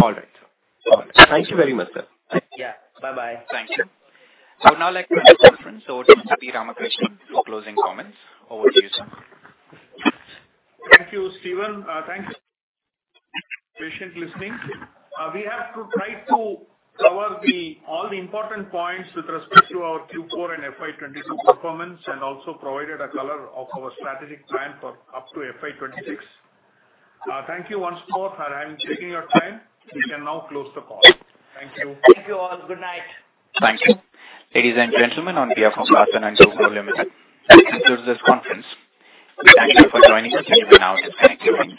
N: All right, sir. All right. Thank you very much, sir.
C: Yeah. Bye-bye.
A: Thank you. Now I'd like to hand the conference over to Mr. P. Ramakrishnan for closing comments. Over to you, sir.
B: Thank you, Steven. Thanks for patient listening. We have to try to cover all the important points with respect to our Q4 and FY 2022 performance and also provided a color of our strategic plan for up to FY 2026. Thank you once more for taking your time. We can now close the call. Thank you.
C: Thank you all. Good night.
A: Thank you. Ladies and gentlemen, on behalf of Larsen & Toubro Limited, this concludes this conference. We thank you for joining us. You may now disconnect your line.